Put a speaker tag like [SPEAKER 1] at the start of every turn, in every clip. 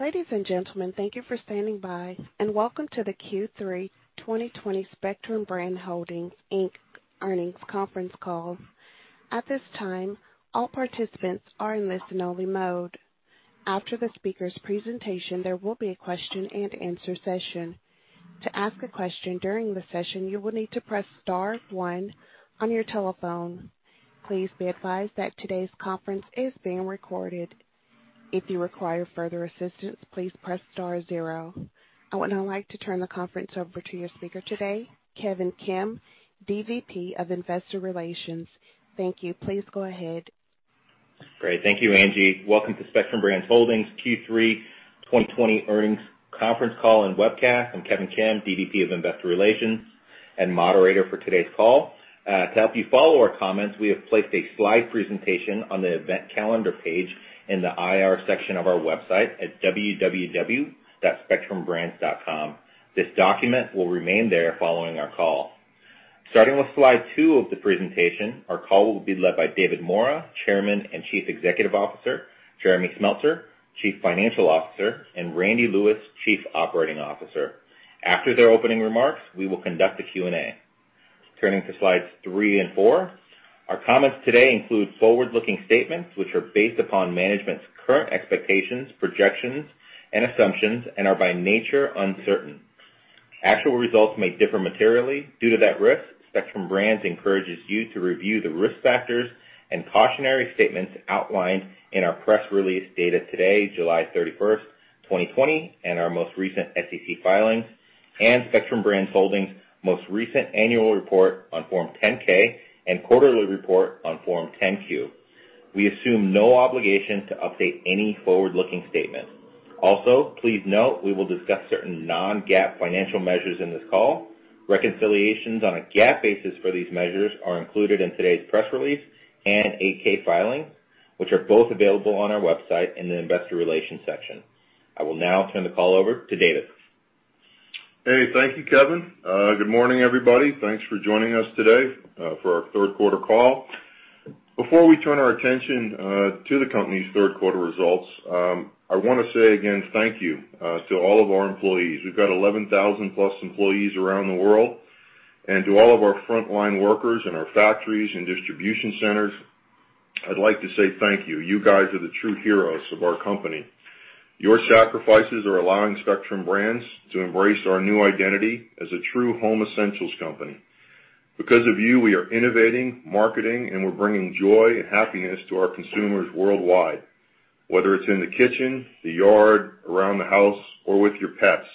[SPEAKER 1] Ladies and gentlemen, thank you for standing by, and welcome to the Q3 2020 Spectrum Brands Holdings, Inc. Earnings Conference Call. At this time, all participants are in listen only mode. After the speaker's presentation, there will be a question and answer session. To ask a question during the session, you will need to press star one on your telephone. Please be advised that today's conference is being recorded. If you require further assistance, please press star zero. I would now like to turn the conference over to your speaker today, Kevin Kim, DVP of Investor Relations. Thank you. Please go ahead.
[SPEAKER 2] Great. Thank you, Angie. Welcome to Spectrum Brands Holdings Q3 2020 earnings conference call and webcast. I'm Kevin Kim, DVP of Investor Relations and moderator for today's call. To help you follow our comments, we have placed a slide presentation on the event calendar page in the IR section of our website at www.spectrumbrands.com. This document will remain there following our call. Starting with slide two of the presentation, our call will be led by David Maura, Chairman and Chief Executive Officer, Jeremy Smeltser, Chief Financial Officer, and Randy Lewis, Chief Operating Officer. After their opening remarks, we will conduct a Q&A. Turning to slides three and four. Our comments today include forward-looking statements, which are based upon management's current expectations, projections, and assumptions, and are by nature uncertain. Actual results may differ materially due to that risk. Spectrum Brands encourages you to review the risk factors and cautionary statements outlined in our press release dated today, July 31st, 2020, and our most recent SEC filings, and Spectrum Brands Holdings most recent annual report on Form 10-K and quarterly report on Form 10-Q. We assume no obligation to update any forward-looking statement. Also, please note we will discuss certain non-GAAP financial measures in this call. Reconciliations on a GAAP basis for these measures are included in today's press release and 8-K filing, which are both available on our website in the investor relations section. I will now turn the call over to David.
[SPEAKER 3] Hey, thank you, Kevin. Good morning, everybody. Thanks for joining us today for our third quarter call. Before we turn our attention to the company's third quarter results, I want to say again, thank you to all of our employees. We've got 11,000+ employees around the world, and to all of our frontline workers in our factories and distribution centers, I'd like to say thank you. You guys are the true heroes of our company. Your sacrifices are allowing Spectrum Brands to embrace our new identity as a true home essentials company. Because of you, we are innovating, marketing, and we're bringing joy and happiness to our consumers worldwide, whether it's in the kitchen, the yard, around the house, or with your pets.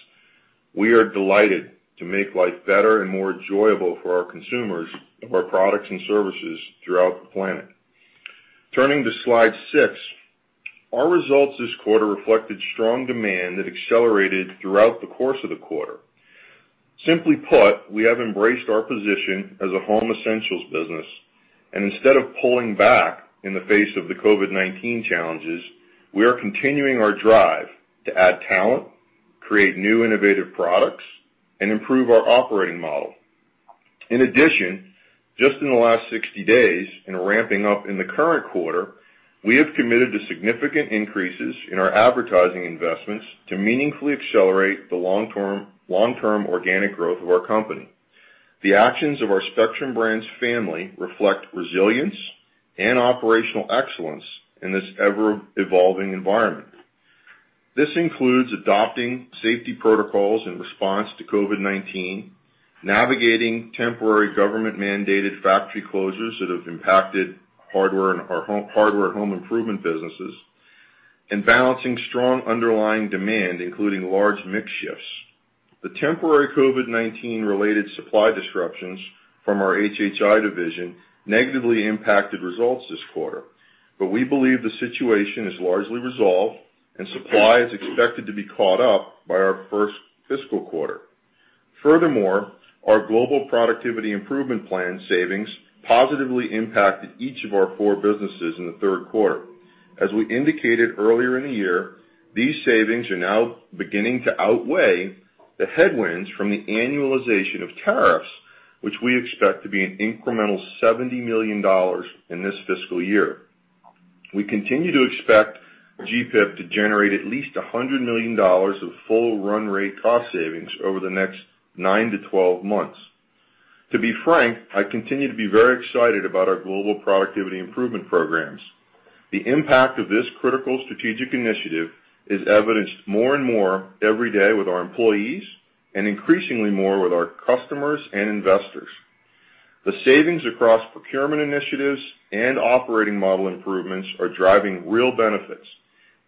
[SPEAKER 3] We are delighted to make life better and more enjoyable for our consumers of our products and services throughout the planet. Turning to slide six. Our results this quarter reflected strong demand that accelerated throughout the course of the quarter. Simply put, we have embraced our position as a home essentials business, and instead of pulling back in the face of the COVID-19 challenges, we are continuing our drive to add talent, create new innovative products, and improve our operating model. In addition, just in the last 60 days, in ramping up in the current quarter, we have committed to significant increases in our advertising investments to meaningfully accelerate the long-term organic growth of our company. The actions of our Spectrum Brands family reflect resilience and operational excellence in this ever-evolving environment. This includes adopting safety protocols in response to COVID-19, navigating temporary government-mandated factory closures that have impacted hardware and home improvement businesses, and balancing strong underlying demand, including large mix shifts. The temporary COVID-19 related supply disruptions from our HHI division negatively impacted results this quarter. We believe the situation is largely resolved, and supply is expected to be caught up by our first fiscal quarter. Furthermore, our Global Productivity Improvement Plan savings positively impacted each of our four businesses in the third quarter. As we indicated earlier in the year, these savings are now beginning to outweigh the headwinds from the annualization of tariffs, which we expect to be an incremental $70 million in this fiscal year. We continue to expect GPIP to generate at least $100 million of full run rate cost savings over the next nine to 12 months. To be frank, I continue to be very excited about our global productivity improvement programs. The impact of this critical strategic initiative is evidenced more and more every day with our employees, and increasingly more with our customers and investors. The savings across procurement initiatives and operating model improvements are driving real benefits,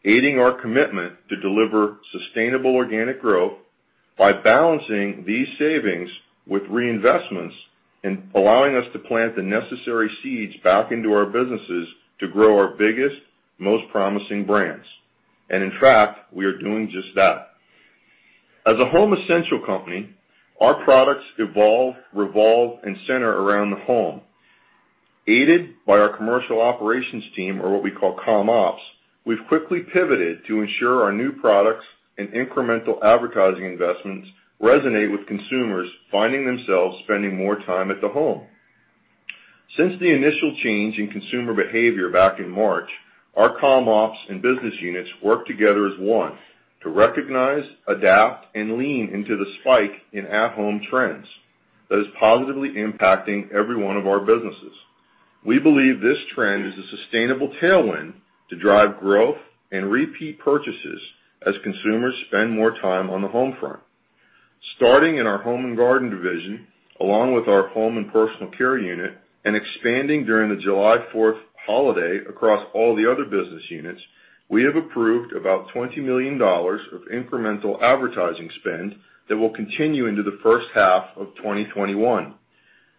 [SPEAKER 3] aiding our commitment to deliver sustainable organic growth by balancing these savings with reinvestments and allowing us to plant the necessary seeds back into our businesses to grow our biggest, most promising brands. In fact, we are doing just that. As a home essential company, our products evolve, revolve, and center around the home. Aided by our commercial operations team or what we call Comm Ops, we've quickly pivoted to ensure our new products and incremental advertising investments resonate with consumers finding themselves spending more time at home. Since the initial change in consumer behavior back in March, our Comm Ops and business units worked together as one to recognize, adapt, and lean into the spike in at-home trends that is positively impacting every one of our businesses. We believe this trend is a sustainable tailwind to drive growth and repeat purchases as consumers spend more time on the home front. Starting in our Home & Garden division, along with our Home & Personal Care unit, and expanding during the July 4th holiday across all the other business units, we have approved about $20 million of incremental advertising spend that will continue into the first half of 2021.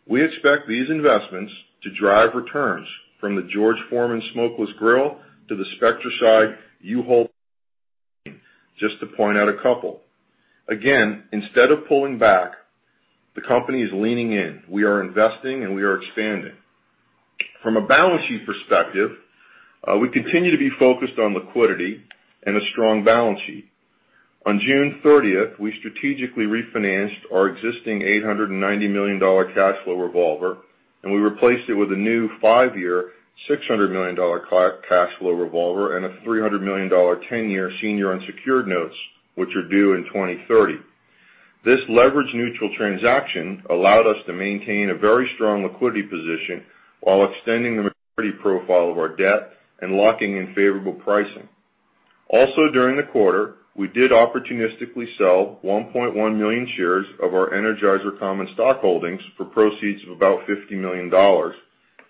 [SPEAKER 3] We expect these investments to drive returns from the George Foreman Smokeless Grill to the Spectracide AccuShot, just to point out a couple. Instead of pulling back, the company is leaning in. We are investing and we are expanding. From a balance sheet perspective, we continue to be focused on liquidity and a strong balance sheet. On June 30th, we strategically refinanced our existing $890 million cash flow revolver, and we replaced it with a new five-year, $600 million cash flow revolver and a $300 million ten-year senior unsecured notes, which are due in 2030. This leverage-neutral transaction allowed us to maintain a very strong liquidity position while extending the maturity profile of our debt and locking in favorable pricing. Also during the quarter, we did opportunistically sell 1.1 million shares of our Energizer common stock holdings for proceeds of about $50 million,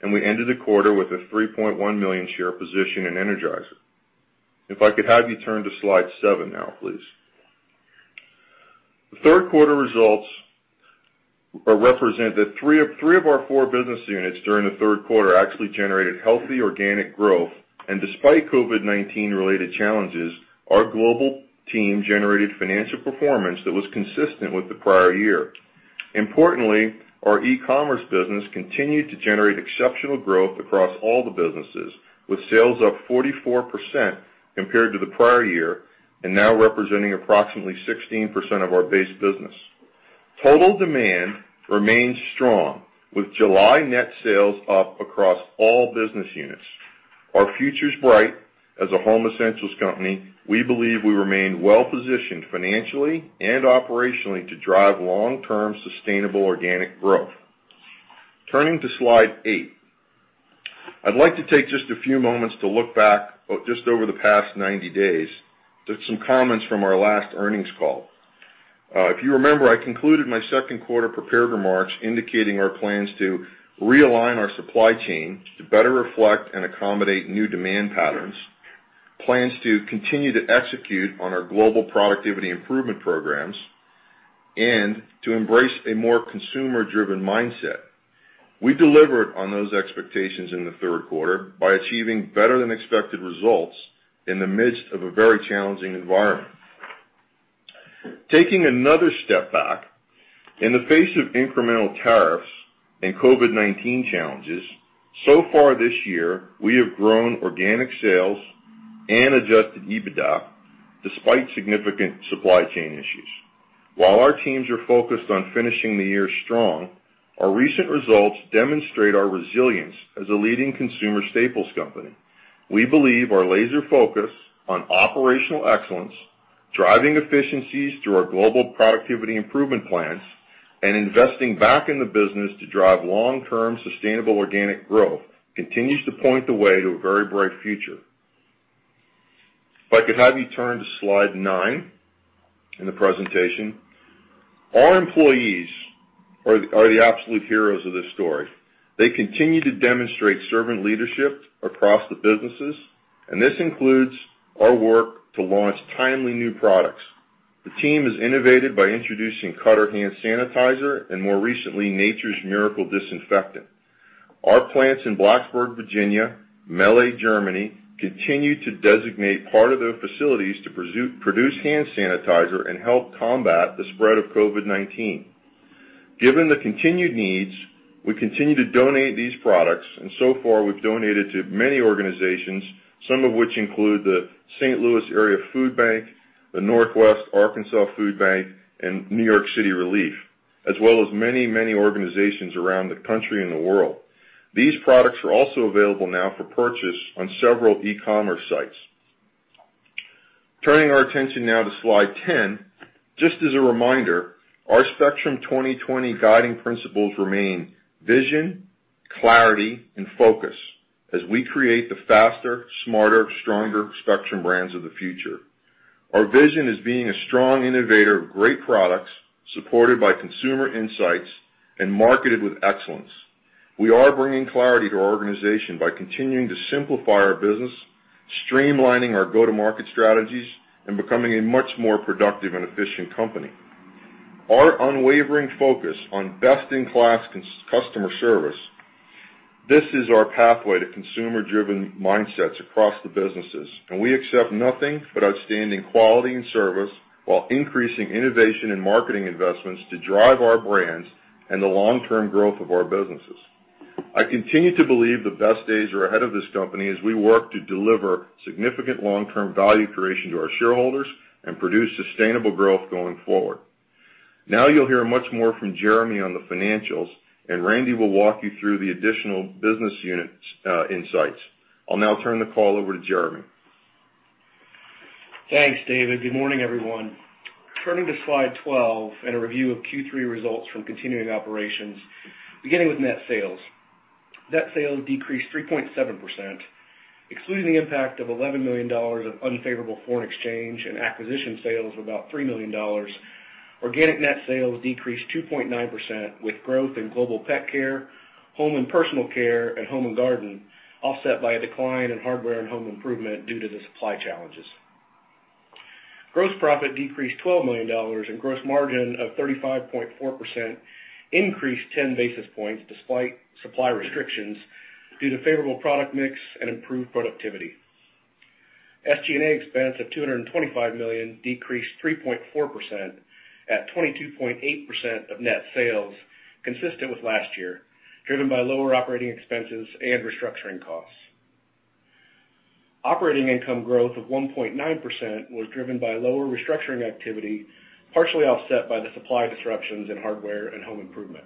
[SPEAKER 3] and we ended the quarter with a 3.1 million share position in Energizer. If I could have you turn to slide seven now, please. The third quarter results represent that three of our four business units during the third quarter actually generated healthy organic growth. Despite COVID-19-related challenges, our global team generated financial performance that was consistent with the prior year. Importantly, our e-commerce business continued to generate exceptional growth across all the businesses, with sales up 44% compared to the prior year and now representing approximately 16% of our base business. Total demand remains strong with July net sales up across all business units. Our future's bright. As a home essentials company, we believe we remain well-positioned financially and operationally to drive long-term sustainable organic growth. Turning to slide eight. I'd like to take just a few moments to look back just over the past 90 days to some comments from our last earnings call. If you remember, I concluded my second quarter prepared remarks indicating our plans to realign our supply chain to better reflect and accommodate new demand patterns, plans to continue to execute on our Global Productivity Improvement Programs, and to embrace a more consumer-driven mindset. We delivered on those expectations in the third quarter by achieving better than expected results in the midst of a very challenging environment. Taking another step back, in the face of incremental tariffs and COVID-19 challenges, so far this year, we have grown organic sales and adjusted EBITDA despite significant supply chain issues. While our teams are focused on finishing the year strong, our recent results demonstrate our resilience as a leading consumer staples company. We believe our laser focus on operational excellence, driving efficiencies through our Global Productivity Improvement Plans, and investing back in the business to drive long-term sustainable organic growth, continues to point the way to a very bright future. If I could have you turn to slide nine in the presentation. Our employees are the absolute heroes of this story. They continue to demonstrate servant leadership across the businesses, and this includes our work to launch timely new products. The team has innovated by introducing Cutter hand sanitizer and more recently, Nature's Miracle disinfectant. Our plants in Blacksburg, Virginia, Melle, Germany, continue to designate part of their facilities to produce hand sanitizer and help combat the spread of COVID-19. Given the continued needs, we continue to donate these products. So far, we've donated to many organizations, some of which include the St. Louis Area Foodbank, the Northwest Arkansas Food Bank, and New York City Relief, as well as many, many organizations around the country and the world. These products are also available now for purchase on several e-commerce sites. Turning our attention now to slide 10. Just as a reminder, our Spectrum 2020 guiding principles remain vision, clarity, and focus as we create the faster, smarter, stronger Spectrum Brands of the future. Our vision is being a strong innovator of great products, supported by consumer insights, and marketed with excellence. We are bringing clarity to our organization by continuing to simplify our business, streamlining our go-to-market strategies, and becoming a much more productive and efficient company. Our unwavering focus on best-in-class customer service, this is our pathway to consumer-driven mindsets across the businesses. We accept nothing but outstanding quality and service while increasing innovation and marketing investments to drive our brands and the long-term growth of our businesses. I continue to believe the best days are ahead of this company as we work to deliver significant long-term value creation to our shareholders and produce sustainable growth going forward. You'll hear much more from Jeremy on the financials. Randy will walk you through the additional business unit insights. I'll now turn the call over to Jeremy.
[SPEAKER 4] Thanks, David. Good morning, everyone. Turning to slide 12 and a review of Q3 results from continuing operations, beginning with net sales. Net sales decreased 3.7%, excluding the impact of $11 million of unfavorable foreign exchange and acquisition sales of about $3 million. Organic net sales decreased 2.9% with growth in Global Pet Care, Home & Personal Care, and Home & Garden, offset by a decline in Hardware & Home Improvement due to the supply challenges. Gross profit decreased $12 million, and gross margin of 35.4% increased 10 basis points despite supply restrictions due to favorable product mix and improved productivity. SG&A expense of $225 million decreased 3.4% at 22.8% of net sales, consistent with last year, driven by lower operating expenses and restructuring costs. Operating income growth of 1.9% was driven by lower restructuring activity, partially offset by the supply disruptions in Hardware & Home Improvement.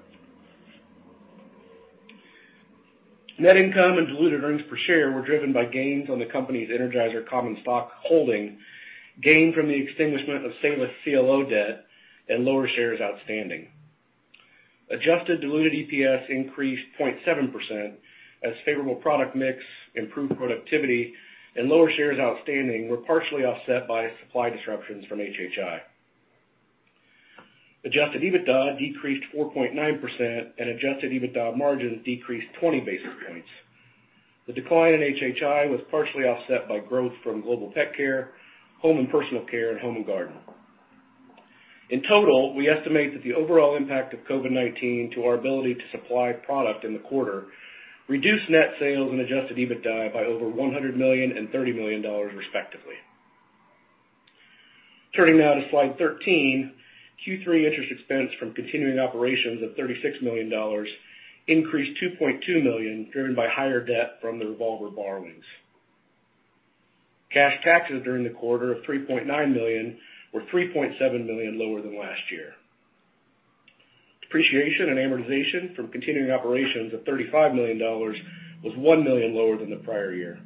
[SPEAKER 4] Net income and diluted earnings per share were driven by gains on the company's Energizer common stock holding, gain from the extinguishment of Salus CLO debt, and lower shares outstanding. Adjusted diluted EPS increased 0.7% as favorable product mix, improved productivity, and lower shares outstanding were partially offset by supply disruptions from HHI. Adjusted EBITDA decreased 4.9%, and adjusted EBITDA margins decreased 20 basis points. The decline in HHI was partially offset by growth from Global Pet Care, Home & Personal Care, and Home & Garden. In total, we estimate that the overall impact of COVID-19 to our ability to supply product in the quarter reduced net sales and adjusted EBITDA by over $100 million and $30 million, respectively. Turning now to slide 13, Q3 interest expense from continuing operations of $36 million increased $2.2 million, driven by higher debt from the revolver borrowings. Cash taxes during the quarter of $3.9 million were $3.7 million lower than last year. Depreciation and amortization from continuing operations of $35 million was $1 million lower than the prior year.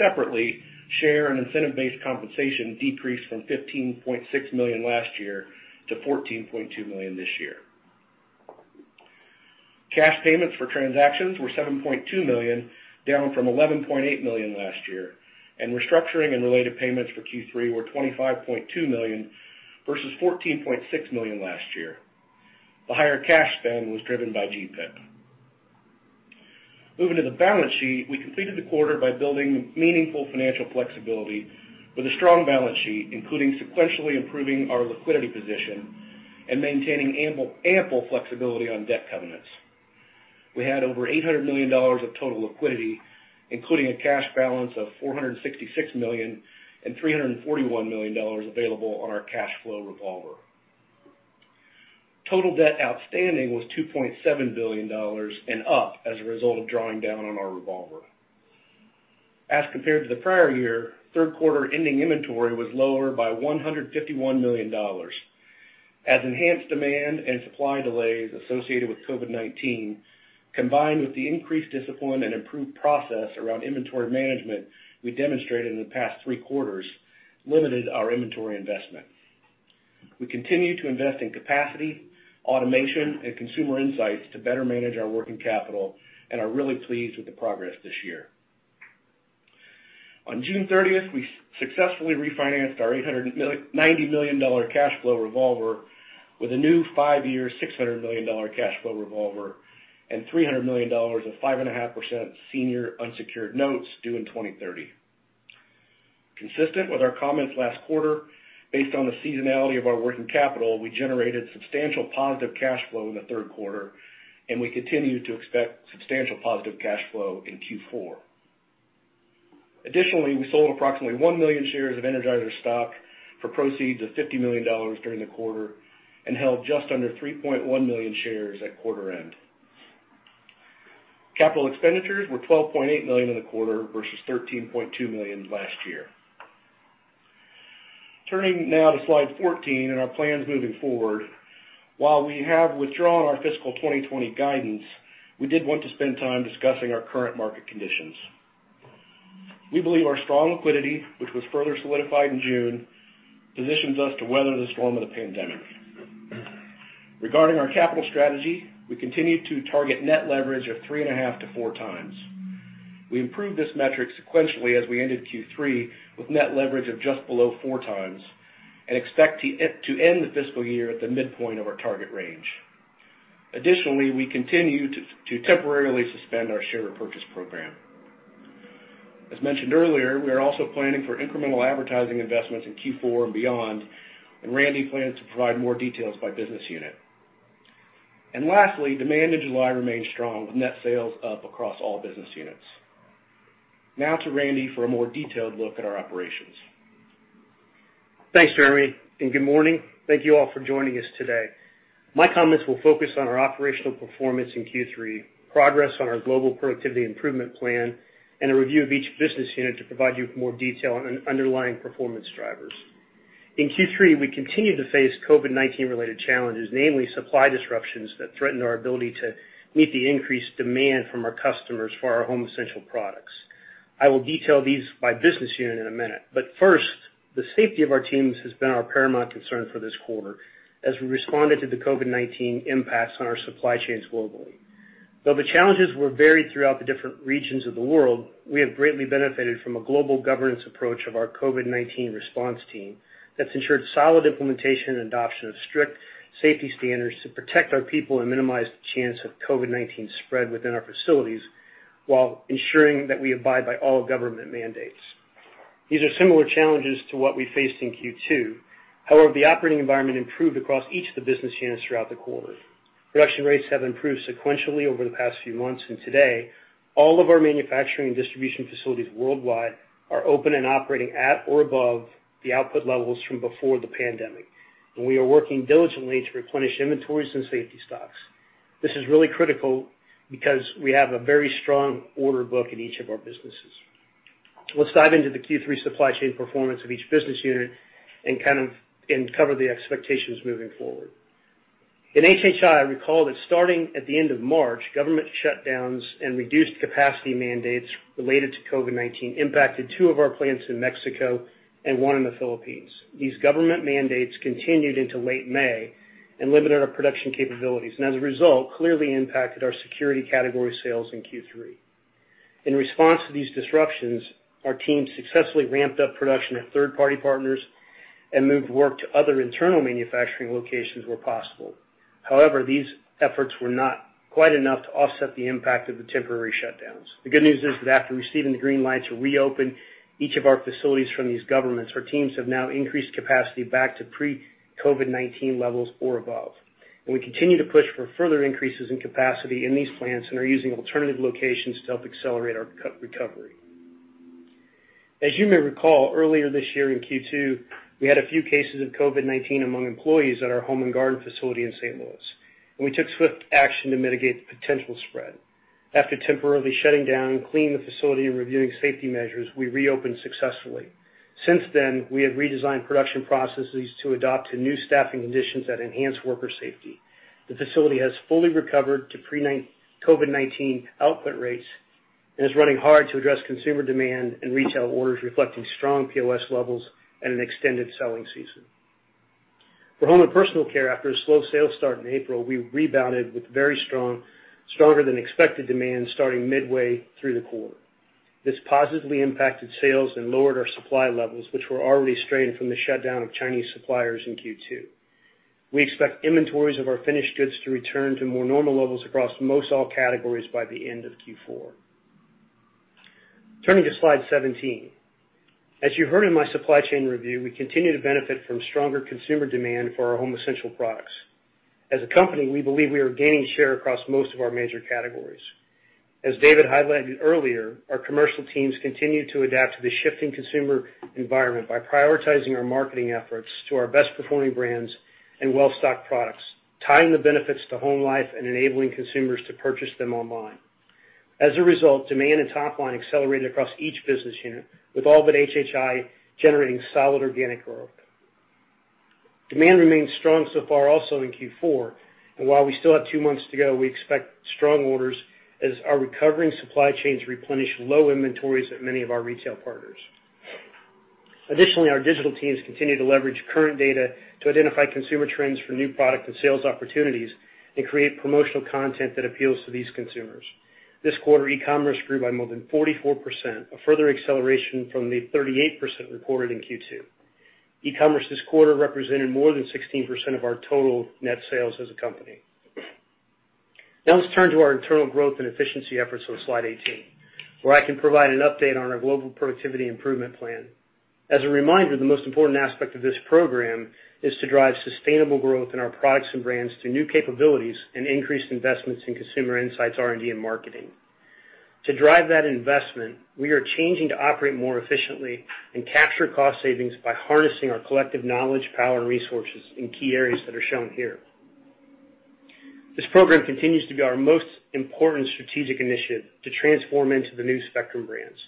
[SPEAKER 4] Separately, share and incentive-based compensation decreased from $15.6 million last year to $14.2 million this year. Cash payments for transactions were $7.2 million, down from $11.8 million last year, and restructuring and related payments for Q3 were $25.2 million versus $14.6 million last year. The higher cash spend was driven by GPIP. Moving to the balance sheet, we completed the quarter by building meaningful financial flexibility with a strong balance sheet, including sequentially improving our liquidity position and maintaining ample flexibility on debt covenants. We had over $800 million of total liquidity, including a cash balance of $466 million and $341 million available on our cash flow revolver. Total debt outstanding was $2.7 billion and up as a result of drawing down on our revolver. As compared to the prior year, third quarter ending inventory was lower by $151 million, as enhanced demand and supply delays associated with COVID-19, combined with the increased discipline and improved process around inventory management we demonstrated in the past three quarters, limited our inventory investment. We continue to invest in capacity, automation, and consumer insights to better manage our working capital and are really pleased with the progress this year. On June 30th, we successfully refinanced our $890 million cash flow revolver with a new five-year $600 million cash flow revolver and $300 million of 5.5% senior unsecured notes due in 2030. Consistent with our comments last quarter, based on the seasonality of our working capital, we generated substantial positive cash flow in the third quarter, and we continue to expect substantial positive cash flow in Q4. Additionally, we sold approximately 1 million shares of Energizer stock for proceeds of $50 million during the quarter and held just under 3.1 million shares at quarter end. Capital expenditures were $12.8 million in the quarter versus $13.2 million last year. Turning now to slide 14 and our plans moving forward. While we have withdrawn our fiscal 2020 guidance, we did want to spend time discussing our current market conditions. We believe our strong liquidity, which was further solidified in June, positions us to weather the storm of the pandemic. Regarding our capital strategy, we continue to target net leverage of 3.5x-4x. We improved this metric sequentially as we ended Q3 with net leverage of just below 4x and expect to end the fiscal year at the midpoint of our target range. We continue to temporarily suspend our share repurchase program. As mentioned earlier, we are also planning for incremental advertising investments in Q4 and beyond, and Randy plans to provide more details by business unit. Lastly, demand in July remained strong with net sales up across all business units. Now to Randy for a more detailed look at our operations.
[SPEAKER 5] Thanks, Jeremy, and good morning. Thank you all for joining us today. My comments will focus on our operational performance in Q3, progress on our Global Productivity Improvement Plan, and a review of each business unit to provide you with more detail on underlying performance drivers. In Q3, we continued to face COVID-19 related challenges, namely supply disruptions that threatened our ability to meet the increased demand from our customers for our home essential products. I will detail these by business unit in one minute. First, the safety of our teams has been our paramount concern for this quarter as we responded to the COVID-19 impacts on our supply chains globally. Though the challenges were varied throughout the different regions of the world, we have greatly benefited from a global governance approach of our COVID-19 response team that has ensured solid implementation and adoption of strict safety standards to protect our people and minimize the chance of COVID-19 spread within our facilities while ensuring that we abide by all government mandates. These are similar challenges to what we faced in Q2. However, the operating environment improved across each of the business units throughout the quarter. Production rates have improved sequentially over the past few months, and today, all of our manufacturing and distribution facilities worldwide are open and operating at or above the output levels from before the pandemic. We are working diligently to replenish inventories and safety stocks. This is really critical because we have a very strong order book in each of our businesses. Let's dive into the Q3 supply chain performance of each business unit and cover the expectations moving forward. In HHI, recall that starting at the end of March, government shutdowns and reduced capacity mandates related to COVID-19 impacted two of our plants in Mexico and one in the Philippines. These government mandates continued into late May and limited our production capabilities, as a result, clearly impacted our security category sales in Q3. In response to these disruptions, our team successfully ramped up production at third-party partners and moved work to other internal manufacturing locations where possible. However, these efforts were not quite enough to offset the impact of the temporary shutdowns. The good news is that after receiving the green light to reopen each of our facilities from these governments, our teams have now increased capacity back to pre-COVID-19 levels or above. We continue to push for further increases in capacity in these plants and are using alternative locations to help accelerate our recovery. As you may recall, earlier this year in Q2, we had a few cases of COVID-19 among employees at our Home & Garden facility in St. Louis, and we took swift action to mitigate the potential spread. After temporarily shutting down and cleaning the facility and reviewing safety measures, we reopened successfully. Since then, we have redesigned production processes to adapt to new staffing conditions that enhance worker safety. The facility has fully recovered to pre-COVID-19 output rates and is running hard to address consumer demand and retail orders, reflecting strong POS levels and an extended selling season. For Home & Personal Care, after a slow sales start in April, we rebounded with stronger-than-expected demand starting midway through the quarter. This positively impacted sales and lowered our supply levels, which were already strained from the shutdown of Chinese suppliers in Q2. We expect inventories of our finished goods to return to more normal levels across most all categories by the end of Q4. Turning to slide 17. As you heard in my supply chain review, we continue to benefit from stronger consumer demand for our home essential products. As a company, we believe we are gaining share across most of our major categories. As David highlighted earlier, our commercial teams continue to adapt to the shifting consumer environment by prioritizing our marketing efforts to our best performing brands and well-stocked products, tying the benefits to home life and enabling consumers to purchase them online. Demand and top line accelerated across each business unit, with all but HHI generating solid organic growth. Demand remains strong so far also in Q4, and while we still have two months to go, we expect strong orders as our recovering supply chains replenish low inventories at many of our retail partners. Additionally, our digital teams continue to leverage current data to identify consumer trends for new product and sales opportunities and create promotional content that appeals to these consumers. This quarter, e-commerce grew by more than 44%, a further acceleration from the 38% reported in Q2. E-commerce this quarter represented more than 16% of our total net sales as a company. Now let's turn to our internal growth and efficiency efforts on slide 18, where I can provide an update on our Global Productivity Improvement Plan. As a reminder, the most important aspect of this program is to drive sustainable growth in our products and brands through new capabilities and increased investments in consumer insights, R&D, and marketing. To drive that investment, we are changing to operate more efficiently and capture cost savings by harnessing our collective knowledge, power, and resources in key areas that are shown here. This program continues to be our most important strategic initiative to transform into the new Spectrum Brands.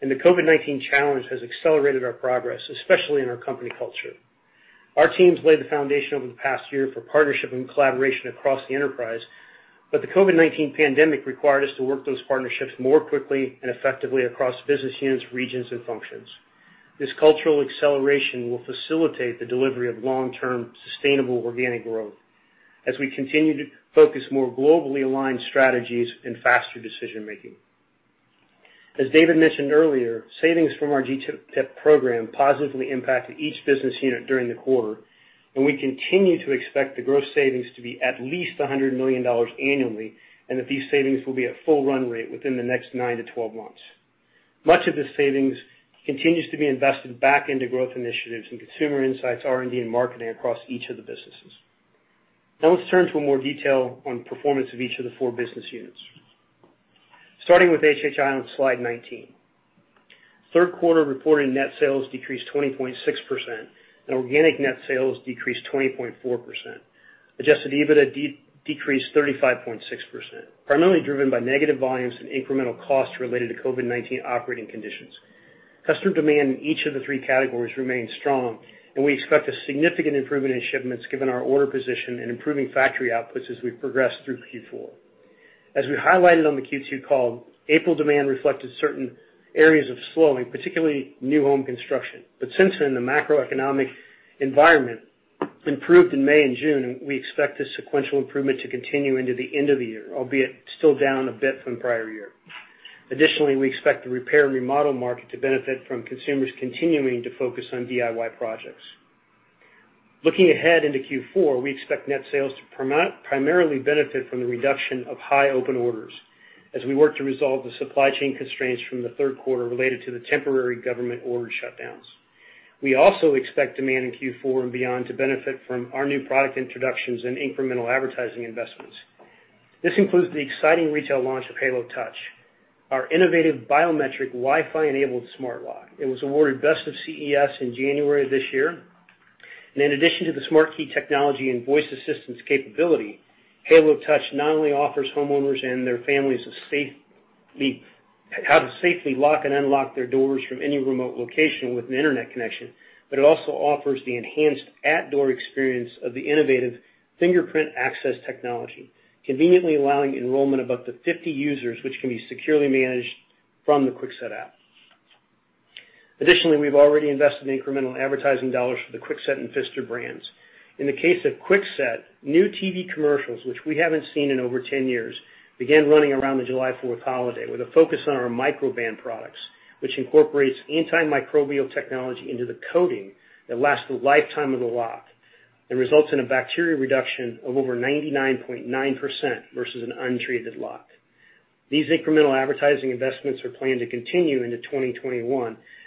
[SPEAKER 5] The COVID-19 challenge has accelerated our progress, especially in our company culture. Our teams laid the foundation over the past year for partnership and collaboration across the enterprise, but the COVID-19 pandemic required us to work those partnerships more quickly and effectively across business units, regions, and functions. This cultural acceleration will facilitate the delivery of long-term sustainable organic growth as we continue to focus more globally aligned strategies and faster decision making. As David mentioned earlier, savings from our GPIP program positively impacted each business unit during the quarter, and we continue to expect the gross savings to be at least $100 million annually, and that these savings will be at full run rate within the next nine to 12 months. Much of the savings continues to be invested back into growth initiatives and consumer insights, R&D, and marketing across each of the businesses. Let's turn to more detail on performance of each of the four business units. Starting with HHI on slide 19. Third quarter reported net sales decreased 20.6%, and organic net sales decreased 20.4%. Adjusted EBITDA decreased 35.6%, primarily driven by negative volumes and incremental costs related to COVID-19 operating conditions. Customer demand in each of the three categories remained strong. We expect a significant improvement in shipments given our order position and improving factory outputs as we progress through Q4. As we highlighted on the Q2 call, April demand reflected certain areas of slowing, particularly new home construction. Since then, the macroeconomic environment improved in May and June. We expect this sequential improvement to continue into the end of the year, albeit still down a bit from prior year. Additionally, we expect the repair and remodel market to benefit from consumers continuing to focus on DIY projects. Looking ahead into Q4, we expect net sales to primarily benefit from the reduction of high open orders as we work to resolve the supply chain constraints from the third quarter related to the temporary government order shutdowns. We also expect demand in Q4 and beyond to benefit from our new product introductions and incremental advertising investments. This includes the exciting retail launch of Halo Touch, our innovative biometric Wi-Fi enabled smart lock. It was awarded best of CES in January of this year, and in addition to the SmartKey technology and voice assistance capability, Halo Touch not only offers homeowners and their families how to safely lock and unlock their doors from any remote location with an internet connection, but it also offers the enhanced at-door experience of the innovative fingerprint access technology, conveniently allowing enrollment of up to 50 users, which can be securely managed from the Kwikset app. Additionally, we've already invested in incremental advertising dollars for the Kwikset and Pfister brands. In the case of Kwikset, new TV commercials, which we haven't seen in over 10 years, began running around the July 4th holiday with a focus on our Microban products, which incorporates antimicrobial technology into the coating that lasts the lifetime of the lock and results in a bacteria reduction of over 99.9% versus an untreated lock.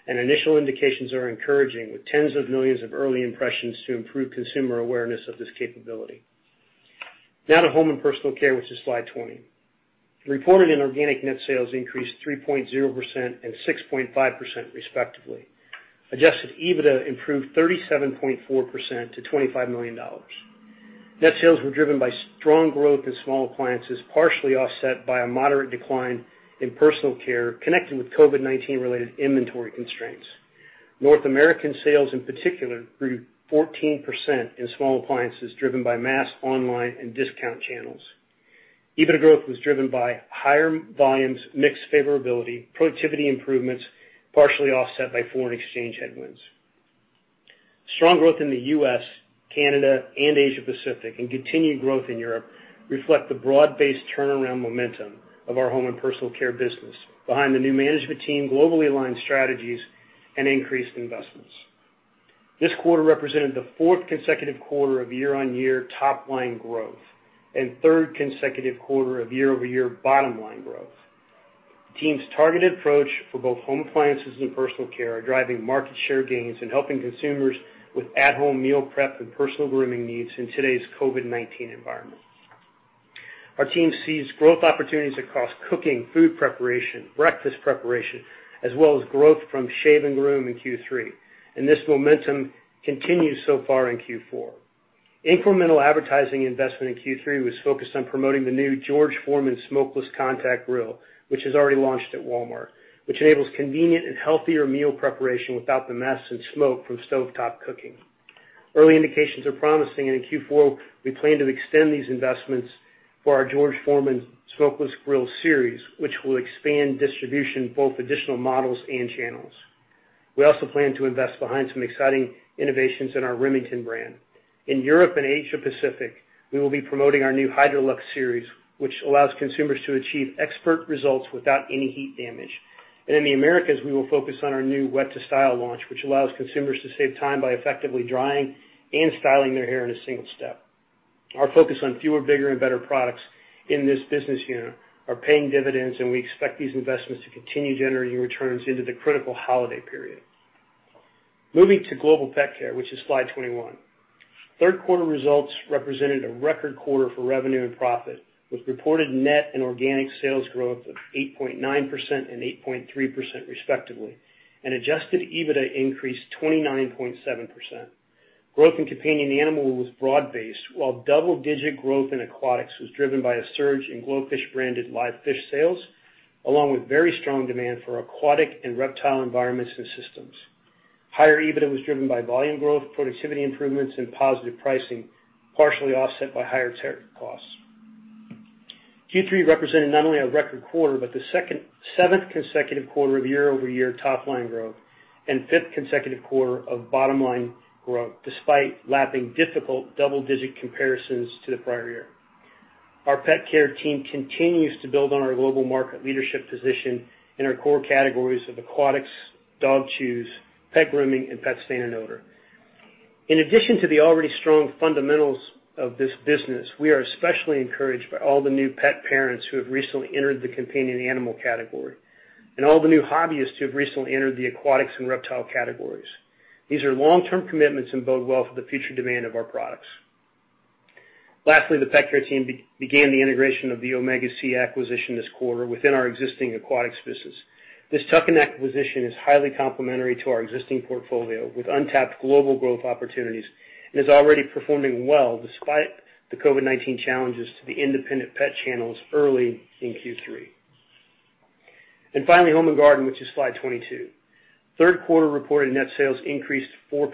[SPEAKER 5] Initial indications are encouraging, with tens of millions of early impressions to improve consumer awareness of this capability. These incremental advertising investments are planned to continue into 2021. [inaudible] to Home & Personal Care, which is slide 20. Reported and organic net sales increased 3.0% and 6.5% respectively. Adjusted EBITDA improved 37.4% to $25 million. Net sales were driven by strong growth in small appliances, partially offset by a moderate decline in personal care connected with COVID-19 related inventory constraints. North American sales in particular grew 14% in small appliances driven by mass, online, and discount channels. EBITDA growth was driven by higher volumes, mix favorability, productivity improvements, partially offset by foreign exchange headwinds. Strong growth in the U.S., Canada, and Asia Pacific, and continued growth in Europe reflect the broad-based turnaround momentum of our Home & Personal Care business behind the new management team, globally aligned strategies and increased investments. This quarter represented the fourth consecutive quarter of year-on-year top line growth and third consecutive quarter of year-over-year bottom line growth. The team's targeted approach for both home appliances and personal care are driving market share gains and helping consumers with at-home meal prep and personal grooming needs in today's COVID-19 environment. Our team sees growth opportunities across cooking, food preparation, breakfast preparation, as well as growth from shave and groom in Q3. This momentum continues so far in Q4. Incremental advertising investment in Q3 was focused on promoting the new George Foreman Contact Smokeless Grill, which has already launched at Walmart, which enables convenient and healthier meal preparation without the mess and smoke from stovetop cooking. Early indications are promising, and in Q4, we plan to extend these investments for our George Foreman Smokeless Grill series, which will expand distribution, both additional models and channels. We also plan to invest behind some exciting innovations in our Remington brand. In Europe and Asia Pacific, we will be promoting our new Hydraluxe series, which allows consumers to achieve expert results without any heat damage. In the Americas, we will focus on our new Wet2Style launch, which allows consumers to save time by effectively drying and styling their hair in a single step. Our focus on fewer, bigger, and better products in this business unit are paying dividends, we expect these investments to continue generating returns into the critical holiday period. Moving to Global Pet Care, which is slide 21. Third quarter results represented a record quarter for revenue and profit, with reported net and organic sales growth of 8.9% and 8.3% respectively, adjusted EBITDA increased 29.7%. Growth in companion animal was broad-based, while double-digit growth in aquatics was driven by a surge in GloFish branded live fish sales, along with very strong demand for aquatic and reptile environments and systems. Higher EBITDA was driven by volume growth, productivity improvements, and positive pricing, partially offset by higher tariff costs. Q3 represented not only a record quarter, but the seventh consecutive quarter of year-over-year top line growth and fifth consecutive quarter of bottom line growth, despite lapping difficult double-digit comparisons to the prior year. Our Pet Care team continues to build on our global market leadership position in our core categories of aquatics, dog chews, pet grooming, and pet stain and odor. In addition to the already strong fundamentals of this business, we are especially encouraged by all the new pet parents who have recently entered the companion animal category and all the new hobbyists who have recently entered the aquatics and reptile categories. These are long-term commitments and bode well for the future demand of our products. Lastly, the Pet Care team began the integration of the Omega Sea acquisition this quarter within our existing aquatics business. This tuck-in acquisition is highly complementary to our existing portfolio, with untapped global growth opportunities, is already performing well despite the COVID-19 challenges to the independent pet channels early in Q3. Finally, Home & Garden, which is slide 22. Third quarter reported net sales increased 4%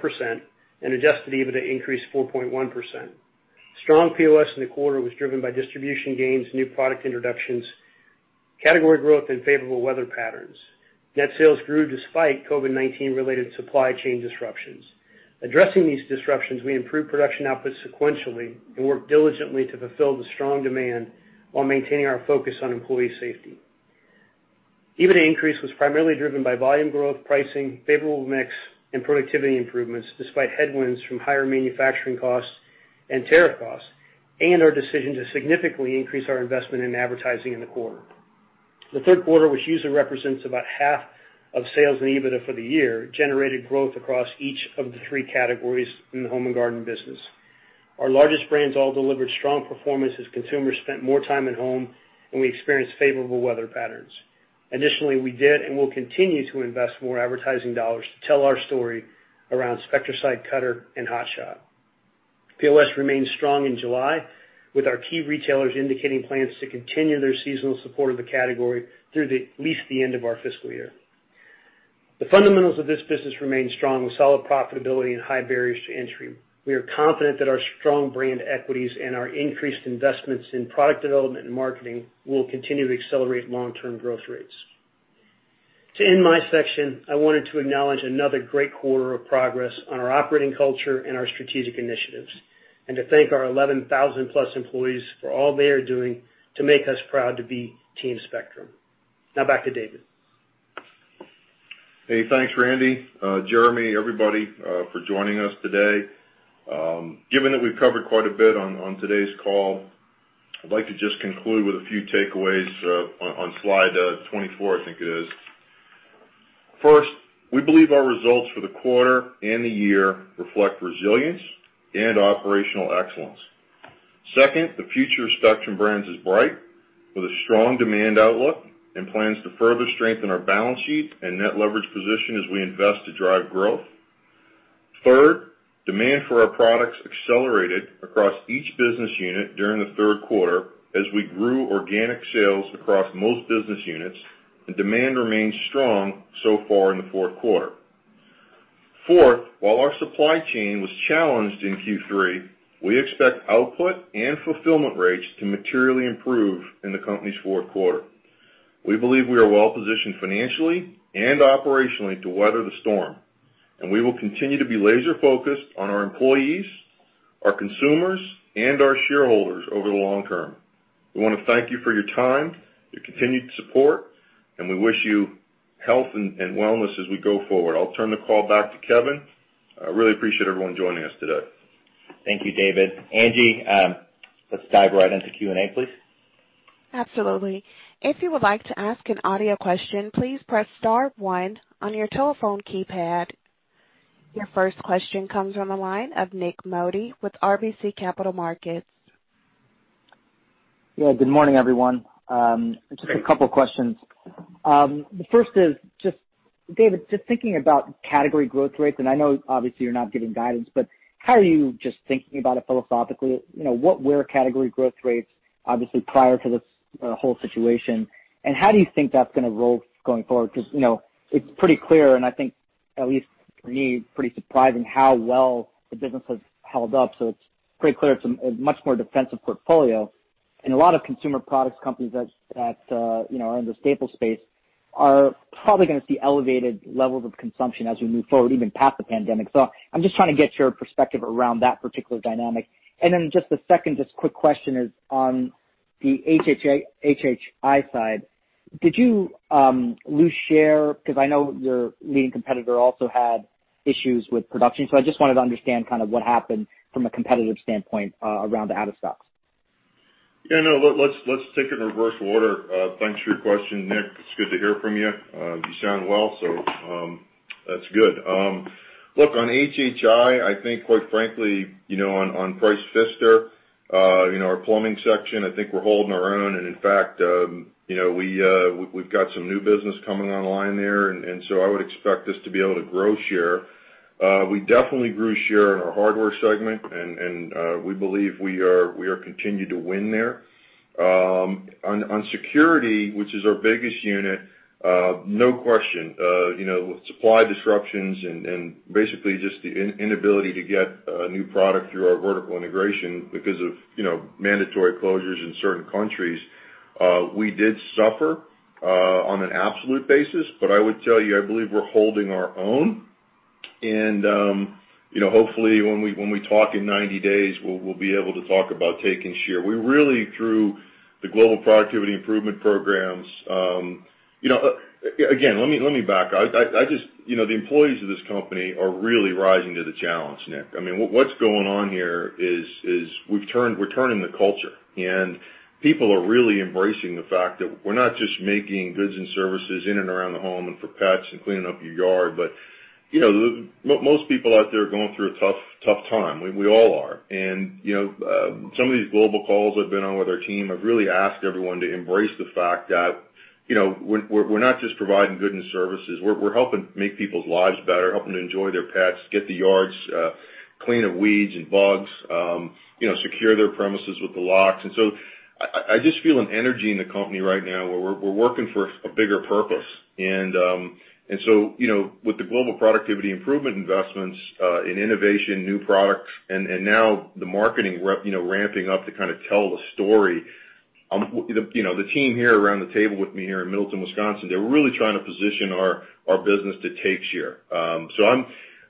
[SPEAKER 5] and adjusted EBITDA increased 4.1%. Strong POS in the quarter was driven by distribution gains, new product introductions, category growth, and favorable weather patterns. Net sales grew despite COVID-19 related supply chain disruptions. Addressing these disruptions, we improved production output sequentially and worked diligently to fulfill the strong demand while maintaining our focus on employee safety. EBITDA increase was primarily driven by volume growth pricing, favorable mix, and productivity improvements, despite headwinds from higher manufacturing costs and tariff costs, and our decision to significantly increase our investment in advertising in the quarter. The third quarter, which usually represents about half of sales and EBITDA for the year, generated growth across each of the three categories in the Home & Garden business. Our largest brands all delivered strong performance as consumers spent more time at home and we experienced favorable weather patterns. Additionally, we did and will continue to invest more advertising dollars to tell our story around Spectracide, Cutter, and Hot Shot. POS remains strong in July, with our key retailers indicating plans to continue their seasonal support of the category through at least the end of our fiscal year. The fundamentals of this business remain strong with solid profitability and high barriers to entry. We are confident that our strong brand equities and our increased investments in product development and marketing will continue to accelerate long-term growth rates. To end my section, I wanted to acknowledge another great quarter of progress on our operating culture and our strategic initiatives, and to thank our 11,000+ employees for all they are doing to make us proud to be Team Spectrum. Now back to David.
[SPEAKER 3] Hey, thanks, Randy, Jeremy, everybody, for joining us today. Given that we've covered quite a bit on today's call, I'd like to just conclude with a few takeaways on slide 24, I think it is. First, we believe our results for the quarter and the year reflect resilience and operational excellence. Second, the future of Spectrum Brands is bright, with a strong demand outlook and plans to further strengthen our balance sheet and net leverage position as we invest to drive growth. Third, demand for our products accelerated across each business unit during the third quarter as we grew organic sales across most business units, and demand remains strong so far in the fourth quarter. Fourth, while our supply chain was challenged in Q3, we expect output and fulfillment rates to materially improve in the company's fourth quarter. We believe we are well-positioned financially and operationally to weather the storm. We will continue to be laser-focused on our employees, our consumers, and our shareholders over the long term. We want to thank you for your time, your continued support. We wish you health and wellness as we go forward. I'll turn the call back to Kevin. I really appreciate everyone joining us today.
[SPEAKER 2] Thank you, David. Angie, let's dive right into Q&A, please.
[SPEAKER 1] Absolutely. If you would like to ask an audio question, please press star one on your telephone keypad. Your first question comes on the line of Nik Modi with RBC Capital Markets.
[SPEAKER 6] Good morning, everyone.
[SPEAKER 3] Hey.
[SPEAKER 6] Just a couple questions. The first is, David, just thinking about category growth rates, and I know obviously you're not giving guidance, but how are you just thinking about it philosophically? Where are category growth rates, obviously prior to this whole situation, and how do you think that's going to roll going forward? It's pretty clear, and I think at least for me, pretty surprising how well the business has held up. It's pretty clear it's a much more defensive portfolio. A lot of consumer products companies that are in the staple space are probably going to see elevated levels of consumption as we move forward, even past the pandemic. I'm just trying to get your perspective around that particular dynamic. Just the second just quick question is on the HHI side, did you lose share? Because I know your leading competitor also had issues with production. I just wanted to understand kind of what happened from a competitive standpoint around the out of stocks.
[SPEAKER 3] Yeah, no, let's take it in reverse order. Thanks for your question, Nik. It's good to hear from you. You sound well, so that's good. Look, on HHI, I think quite frankly on Price Pfister, our plumbing section, I think we're holding our own, and in fact we've got some new business coming online there. I would expect us to be able to grow share. We definitely grew share in our hardware segment. We believe we are continuing to win there. On security, which is our biggest unit, no question. With supply disruptions and basically just the inability to get new product through our vertical integration because of mandatory closures in certain countries, we did suffer on an absolute basis. I would tell you, I believe we're holding our own. Hopefully when we talk in 90 days, we'll be able to talk about taking share. We really, through the Global Productivity Improvement Programs. Again, let me back up. The employees of this company are really rising to the challenge, Nik. What's going on here is we're turning the culture, and people are really embracing the fact that we're not just making goods and services in and around the home and for pets and cleaning up your yard. Most people out there are going through a tough time. We all are. Some of these global calls I've been on with our team have really asked everyone to embrace the fact that we're not just providing goods and services. We're helping make people's lives better, helping to enjoy their pets, get the yards clean of weeds and bugs, secure their premises with the locks. I just feel an energy in the company right now where we're working for a bigger purpose. With the Global Productivity Improvement investments, in innovation, new products, and now the marketing ramping up to kind of tell the story, the team here around the table with me here in Middleton, Wisconsin, they're really trying to position our business to take share.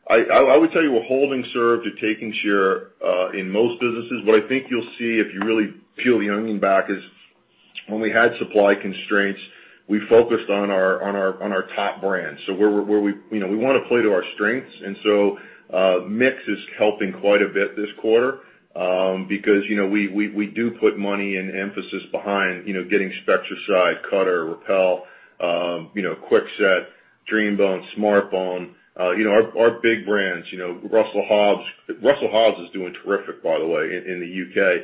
[SPEAKER 3] I would tell you we're holding serve to taking share, in most businesses. What I think you'll see if you really peel the onion back is when we had supply constraints, we focused on our top brands. We want to play to our strengths, and so mix is helping quite a bit this quarter, because we do put money and emphasis behind getting Spectracide, Cutter, Repel, Kwikset, DreamBone, SmartBones, our big brands. Russell Hobbs is doing terrific, by the way, in the U.K.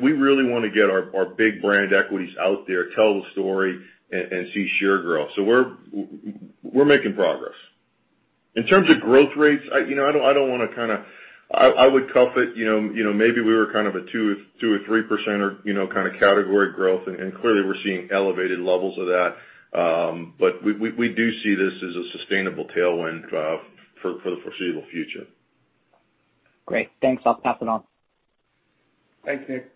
[SPEAKER 3] We really want to get our big brand equities out there, tell the story and see share growth. We're making progress. In terms of growth rates, I would cap it, maybe we were kind of a 2% or 3% kind of category growth, and clearly we're seeing elevated levels of that. We do see this as a sustainable tailwind for the foreseeable future.
[SPEAKER 6] Great. Thanks. I'll pass it on.
[SPEAKER 4] Thanks, Nik.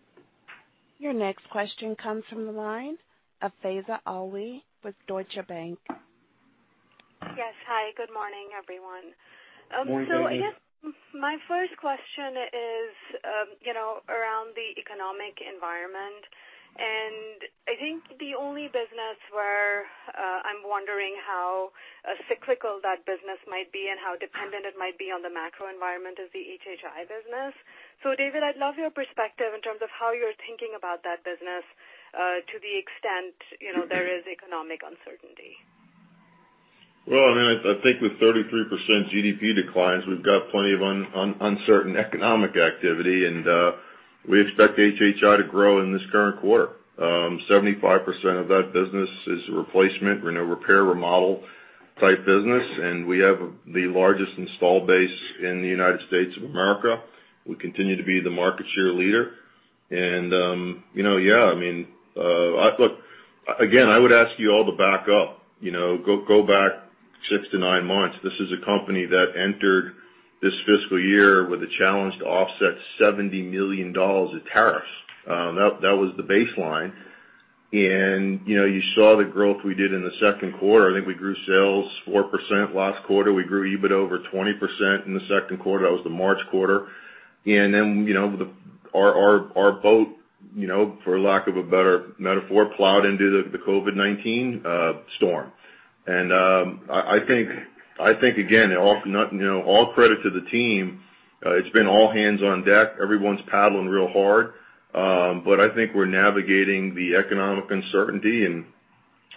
[SPEAKER 1] Your next question comes from the line of Faiza Alwy with Deutsche Bank.
[SPEAKER 7] Yes. Hi, good morning, everyone.
[SPEAKER 4] Morning, Faiza.
[SPEAKER 7] I guess my first question is around the economic environment, and I think the only business where I'm wondering how cyclical that business might be and how dependent it might be on the macro environment is the HHI business. David, I'd love your perspective in terms of how you're thinking about that business to the extent there is economic uncertainty.
[SPEAKER 3] Well, I think with 33% GDP declines, we've got plenty of uncertain economic activity, and we expect HHI to grow in this current quarter. 75% of that business is replacement, repair, remodel type business, and we have the largest install base in the United States of America. We continue to be the market share leader. Yeah, look, again, I would ask you all to back up. Go back six to nine months. This is a company that entered this fiscal year with a challenge to offset $70 million of tariffs. That was the baseline. You saw the growth we did in the second quarter. I think we grew sales 4% last quarter. We grew EBIT over 20% in the second quarter. That was the March quarter. Our boat, for lack of a better metaphor, plowed into the COVID-19 storm. I think, again, all credit to the team. It's been all hands on deck. Everyone's paddling real hard. I think we're navigating the economic uncertainty and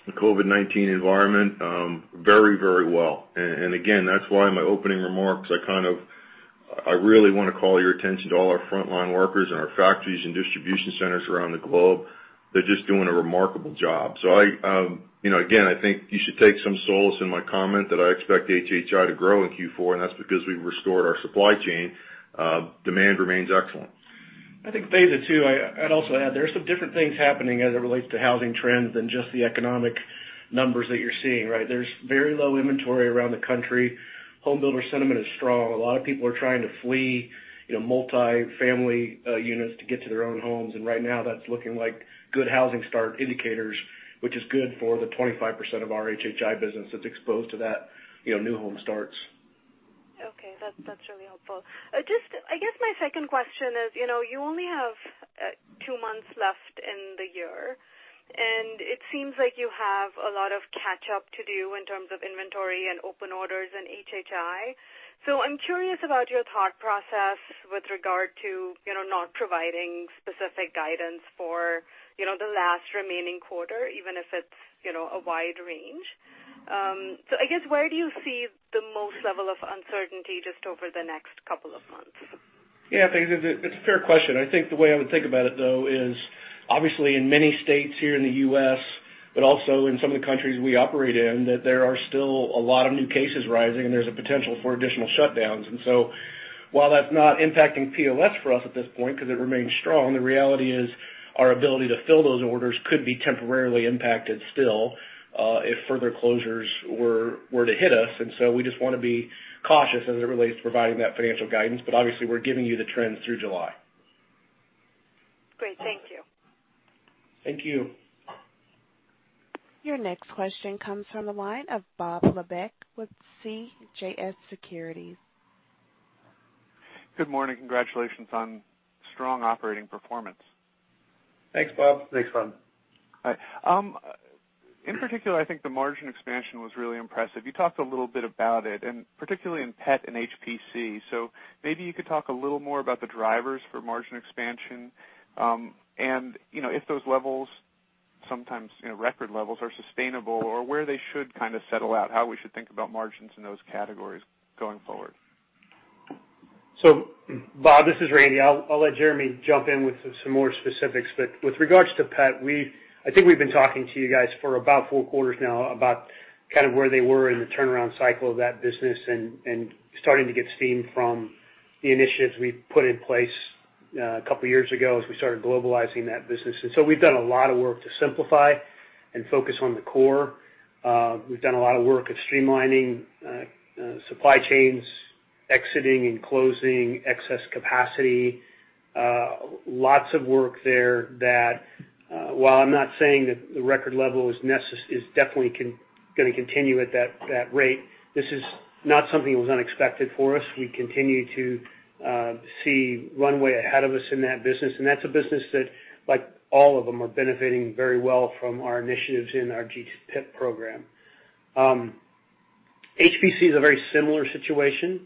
[SPEAKER 3] the COVID-19 environment very well. Again, that's why in my opening remarks, I really want to call your attention to all our frontline workers in our factories and distribution centers around the globe. They're just doing a remarkable job. Again, I think you should take some solace in my comment that I expect HHI to grow in Q4, and that's because we've restored our supply chain. Demand remains excellent.
[SPEAKER 4] I think, Faiza, too, I'd also add, there are some different things happening as it relates to housing trends than just the economic numbers that you're seeing, right? There's very low inventory around the country. Home builder sentiment is strong. A lot of people are trying to flee multifamily units to get to their own homes, and right now that's looking like good housing start indicators, which is good for the 25% of our HHI business that's exposed to that new home starts.
[SPEAKER 7] Okay. That's really helpful. I guess my second question is, you only have two months left in the year, and it seems like you have a lot of catch up to do in terms of inventory and open orders in HHI. I'm curious about your thought process with regard to not providing specific guidance for the last remaining quarter, even if it's a wide range. I guess, where do you see the most level of uncertainty just over the next couple of months?
[SPEAKER 4] Yeah, Faiza, it's a fair question. I think the way I would think about it, though, is obviously in many states here in the U.S., but also in some of the countries we operate in, that there are still a lot of new cases rising, and there's a potential for additional shutdowns. While that's not impacting POS for us at this point because it remains strong, the reality is our ability to fill those orders could be temporarily impacted still, if further closures were to hit us. We just want to be cautious as it relates to providing that financial guidance. Obviously, we're giving you the trends through July.
[SPEAKER 7] Great. Thank you.
[SPEAKER 4] Thank you.
[SPEAKER 1] Your next question comes from the line of Bob Labick with CJS Securities.
[SPEAKER 8] Good morning. Congratulations on strong operating performance.
[SPEAKER 4] Thanks, Bob.
[SPEAKER 3] Thanks, Bob.
[SPEAKER 8] In particular, I think the margin expansion was really impressive. You talked a little bit about it, particularly in pet and HPC. Maybe you could talk a little more about the drivers for margin expansion, and if those levels, sometimes record levels are sustainable or where they should kind of settle out, how we should think about margins in those categories going forward.
[SPEAKER 5] Bob, this is Randy. I'll let Jeremy jump in with some more specifics, but with regards to pet, I think we've been talking to you guys for about four quarters now about kind of where they were in the turnaround cycle of that business and starting to get steam from the initiatives we put in place a couple of years ago as we started globalizing that business. We've done a lot of work to simplify and focus on the core. We've done a lot of work at streamlining supply chains, exiting and closing excess capacity. Lots of work there that, while I'm not saying that the record level is definitely going to continue at that rate, this is not something that was unexpected for us. We continue to see runway ahead of us in that business, and that's a business that, like all of them, are benefiting very well from our initiatives in our GPIP program. HPC is a very similar situation.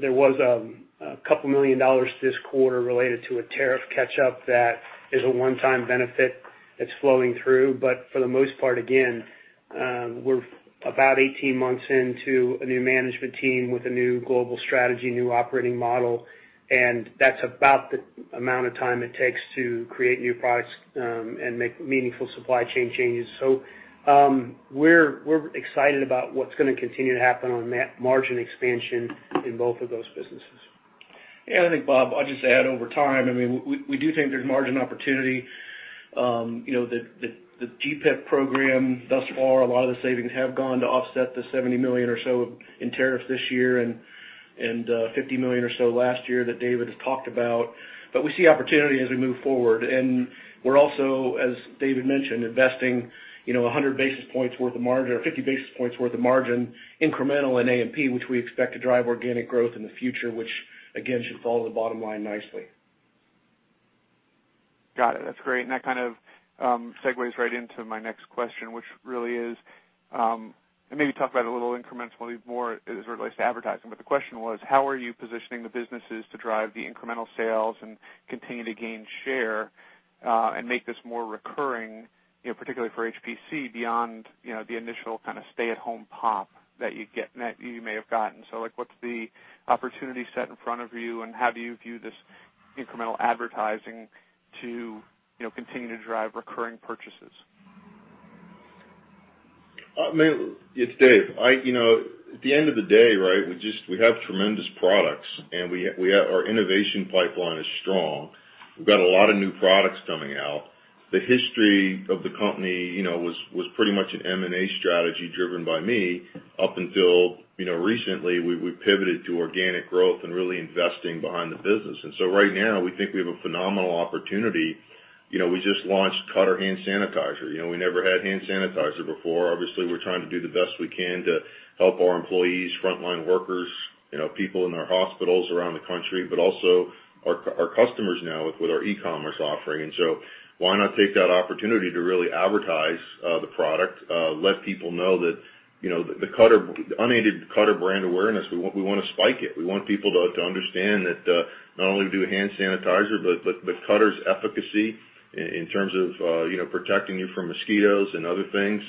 [SPEAKER 5] There was a couple million dollars this quarter related to a tariff catch-up that is a one-time benefit that's flowing through. For the most part, again, we're about 18 months into a new management team with a new global strategy, new operating model, and that's about the amount of time it takes to create new products and make meaningful supply chain changes. We're excited about what's going to continue to happen on margin expansion in both of those businesses.
[SPEAKER 4] Yeah, I think, Bob, I'll just add over time, we do think there's margin opportunity. The GPIP program thus far, a lot of the savings have gone to offset the $70 million or so in tariffs this year and $50 million or so last year that David has talked about. We see opportunity as we move forward. We're also, as David mentioned, investing 100 basis points worth of margin or 50 basis points worth of margin incremental in A&P, which we expect to drive organic growth in the future, which again, should fall to the bottom line nicely.
[SPEAKER 8] Got it. That's great. That kind of segues right into my next question, which really is, and maybe talk about it a little incrementally more as it relates to advertising, but the question was, how are you positioning the businesses to drive the incremental sales and continue to gain share, and make this more recurring, particularly for HPC beyond the initial kind of stay at home pop that you may have gotten. Like, what's the opportunity set in front of you, and how do you view this incremental advertising to continue to drive recurring purchases?
[SPEAKER 3] It's Dave. At the end of the day, right, we have tremendous products, and our innovation pipeline is strong. We've got a lot of new products coming out. The history of the company was pretty much an M&A strategy driven by me up until recently. We pivoted to organic growth and really investing behind the business. Right now, we think we have a phenomenal opportunity. We just launched Cutter hand sanitizer. We never had hand sanitizer before. Obviously, we're trying to do the best we can to help our employees, frontline workers, people in our hospitals around the country, but also our customers now with our e-commerce offering. Why not take that opportunity to really advertise the product, let people know that the unaided Cutter brand awareness, we want to spike it. We want people to understand that not only do hand sanitizer, but Cutter's efficacy in terms of protecting you from mosquitoes and other things,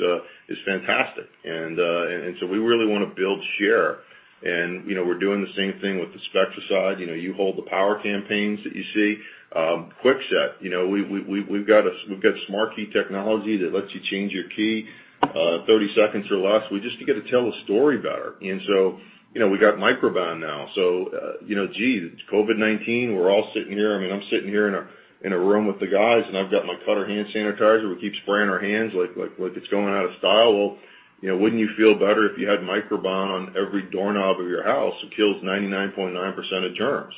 [SPEAKER 3] is fantastic. We really want to build share. We're doing the same thing with the Spectracide You Hold the Power campaigns that you see. Kwikset, we've got SmartKey technology that lets you change your key 30 seconds or less. We just get to tell a story better. We got Microban now. Gee, it's COVID-19. We're all sitting here. I'm sitting here in a room with the guys, and I've got my Cutter hand sanitizer. We keep spraying our hands like it's going out of style. Wouldn't you feel better if you had Microban on every doorknob of your house? It kills 99.9% of germs.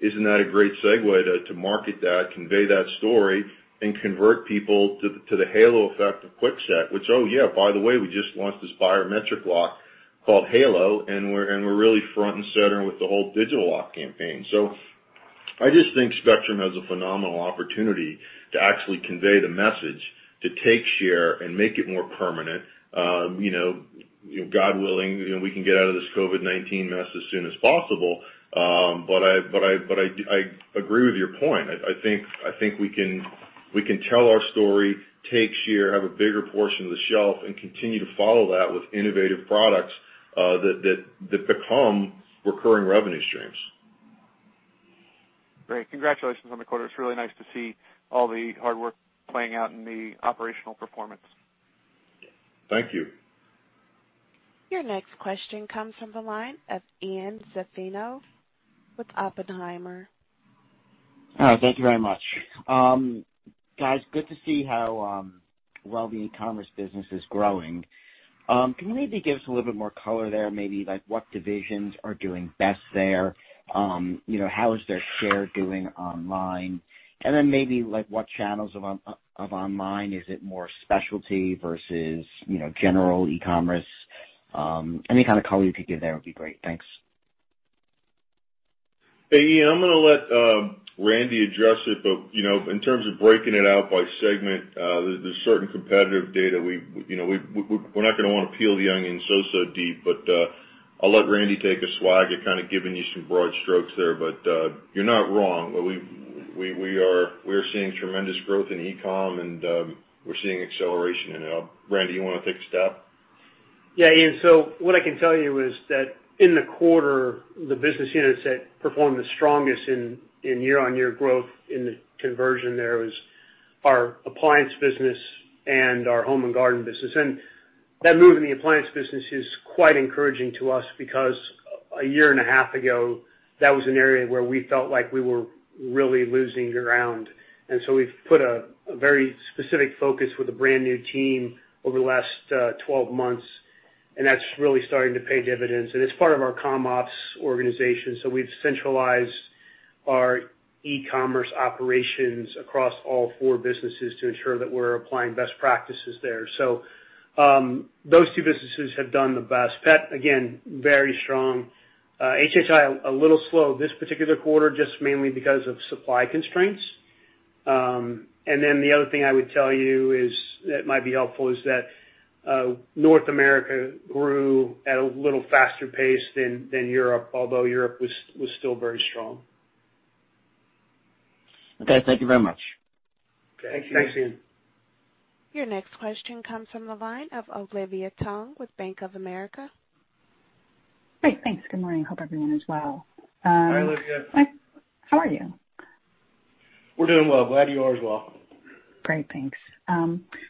[SPEAKER 3] Isn't that a great segue to market that, convey that story, and convert people to the halo effect of Kwikset, which, oh, yeah, by the way, we just launched this biometric lock called Halo, and we're really front and center with the whole digital lock campaign. I just think Spectrum Brands has a phenomenal opportunity to actually convey the message to take share and make it more permanent. God willing, we can get out of this COVID-19 mess as soon as possible. I agree with your point. I think we can tell our story, take share, have a bigger portion of the shelf, and continue to follow that with innovative products that become recurring revenue streams.
[SPEAKER 8] Great. Congratulations on the quarter. It is really nice to see all the hard work playing out in the operational performance.
[SPEAKER 3] Thank you.
[SPEAKER 1] Your next question comes from the line of Ian Zaffino with Oppenheimer.
[SPEAKER 9] Thank you very much. Guys, good to see how well the e-commerce business is growing. Can you maybe give us a little bit more color there, maybe like what divisions are doing best there? How is their share doing online? Then maybe like what channels of online, is it more specialty versus general e-commerce? Any kind of color you could give there would be great. Thanks.
[SPEAKER 3] Hey, Ian, I'm going to let Randy address it, but in terms of breaking it out by segment, there's certain competitive data. We're not going to want to peel the onion so deep, but I'll let Randy take a swag at kind of giving you some broad strokes there, but you're not wrong. We are seeing tremendous growth in e-com, and we're seeing acceleration in it. Randy, you want to take a stab?
[SPEAKER 5] Yeah, Ian. What I can tell you is that in the quarter, the business units that performed the strongest in year-on-year growth in the conversion there was our appliance business and our Home & Garden business. That move in the appliance business is quite encouraging to us because a year and a half ago, that was an area where we felt like we were really losing ground. We've put a very specific focus with a brand-new team over the last 12 months, and that's really starting to pay dividends. It's part of our Comm Ops organization, so we've centralized our e-commerce operations across all four businesses to ensure that we're applying best practices there. Those two businesses have done the best. Pet, again, very strong. HHI, a little slow this particular quarter, just mainly because of supply constraints. The other thing I would tell you that might be helpful is that North America grew at a little faster pace than Europe, although Europe was still very strong.
[SPEAKER 9] Okay, thank you very much.
[SPEAKER 5] Thank you, Ian.
[SPEAKER 3] Thanks.
[SPEAKER 1] Your next question comes from the line of Olivia Tong with Bank of America.
[SPEAKER 10] Great. Thanks. Good morning. Hope everyone is well.
[SPEAKER 3] Hi, Olivia.
[SPEAKER 10] Hi. How are you?
[SPEAKER 3] We're doing well. Glad you are as well.
[SPEAKER 10] Great, thanks.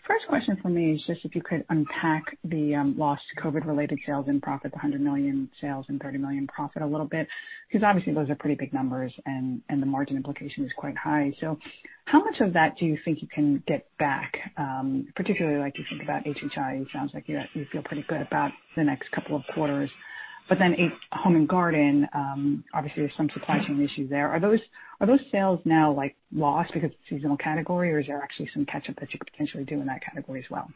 [SPEAKER 10] First question from me is just if you could unpack the lost COVID-19-related sales and profits, $100 million sales and $30 million profit a little bit, because obviously those are pretty big numbers and the margin implication is quite high. How much of that do you think you can get back? Particularly like you think about HHI, it sounds like you feel pretty good about the next couple of quarters. In Home & Garden, obviously, there's some supply chain issues there. Are those sales now lost because it's a seasonal category, or is there actually some catch-up that you could potentially do in that category as well?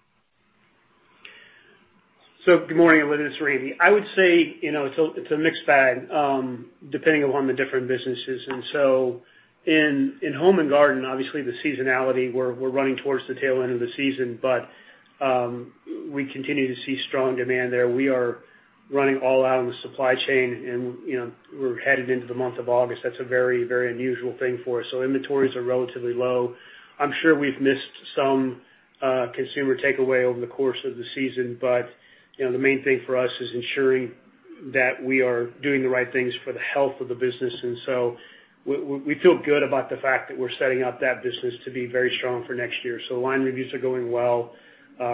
[SPEAKER 5] Good morning, Olivia. It's Randy. I would say, it's a mixed bag, depending upon the different businesses. In Home & Garden, obviously the seasonality, we're running towards the tail end of the season, but we continue to see strong demand there. We are running all out on the supply chain, and we're headed into the month of August. That's a very unusual thing for us. Inventories are relatively low. I'm sure we've missed some consumer takeaway over the course of the season, but the main thing for us is ensuring that we are doing the right things for the health of the business. We feel good about the fact that we're setting up that business to be very strong for next year. Line reviews are going well.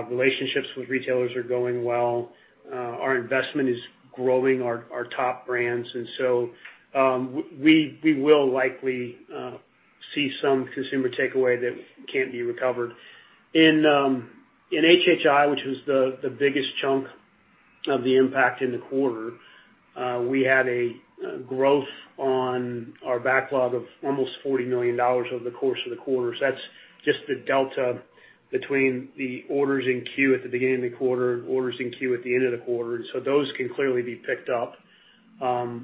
[SPEAKER 5] Relationships with retailers are going well. Our investment is growing our top brands. We will likely see some consumer takeaway that can't be recovered. In HHI, which was the biggest chunk of the impact in the quarter, we had a growth on our backlog of almost $40 million over the course of the quarter. That's just the delta between the orders in queue at the beginning of the quarter and orders in queue at the end of the quarter, and so those can clearly be picked up.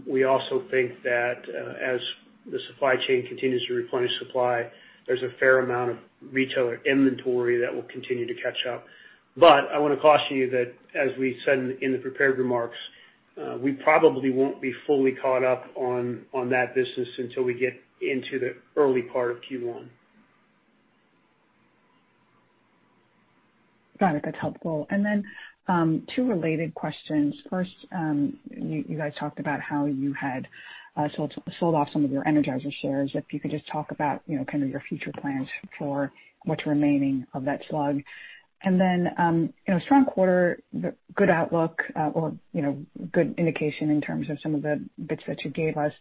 [SPEAKER 5] We also think that as the supply chain continues to replenish supply, there's a fair amount of retailer inventory that will continue to catch up. I want to caution you that as we said in the prepared remarks, we probably won't be fully caught up on that business until we get into the early part of Q1.
[SPEAKER 10] Got it. That's helpful. Two related questions. First, you guys talked about how you had sold off some of your Energizer shares. If you could just talk about your future plans for what's remaining of that slug. Strong quarter, good outlook or good indication in terms of some of the bits that you gave us.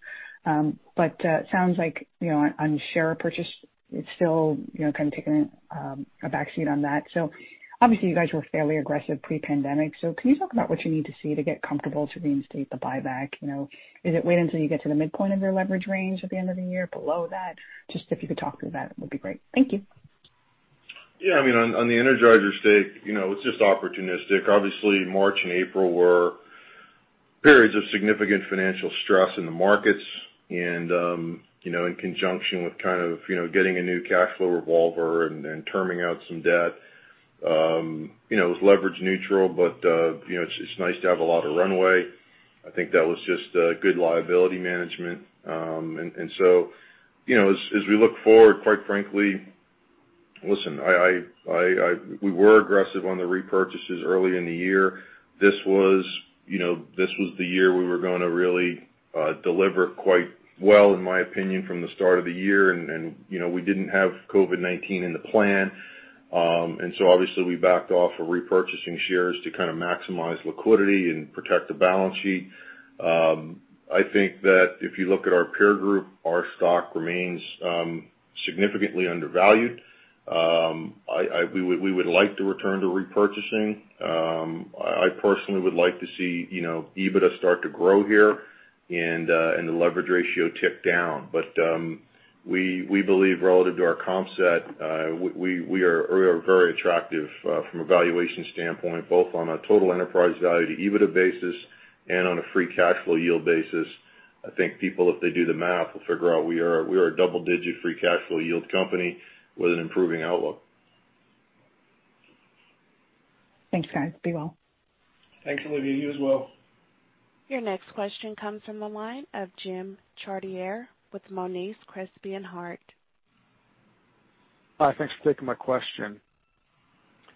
[SPEAKER 10] Sounds like on share purchase, it's still kind of taking a backseat on that. Obviously, you guys were fairly aggressive pre-pandemic. Can you talk about what you need to see to get comfortable to reinstate the buyback? Is it wait until you get to the midpoint of your leverage range at the end of the year? Below that? Just if you could talk through that, it would be great. Thank you.
[SPEAKER 3] Yeah, on the Energizer stake, it's just opportunistic. Obviously, March and April were periods of significant financial stress in the markets and in conjunction with kind of getting a new cash flow revolver and terming out some debt. It was leverage neutral, but it's nice to have a lot of runway. I think that was just good liability management. As we look forward, quite frankly, listen, we were aggressive on the repurchases early in the year. This was the year we were going to really deliver quite well, in my opinion, from the start of the year. We didn't have COVID-19 in the plan. Obviously, we backed off of repurchasing shares to kind of maximize liquidity and protect the balance sheet. I think that if you look at our peer group, our stock remains significantly undervalued. We would like to return to repurchasing. I personally would like to see EBITDA start to grow here and the leverage ratio tick down. We believe relative to our comp set, we are very attractive from a valuation standpoint, both on a total enterprise value to EBITDA basis and on a free cash flow yield basis. I think people, if they do the math, will figure out we are a double-digit free cash flow yield company with an improving outlook.
[SPEAKER 10] Thanks, guys. Be well.
[SPEAKER 3] Thanks, Olivia. You as well.
[SPEAKER 1] Your next question comes from the line of Jim Chartier with Monness, Crespi, Hardt.
[SPEAKER 11] Hi, thanks for taking my question.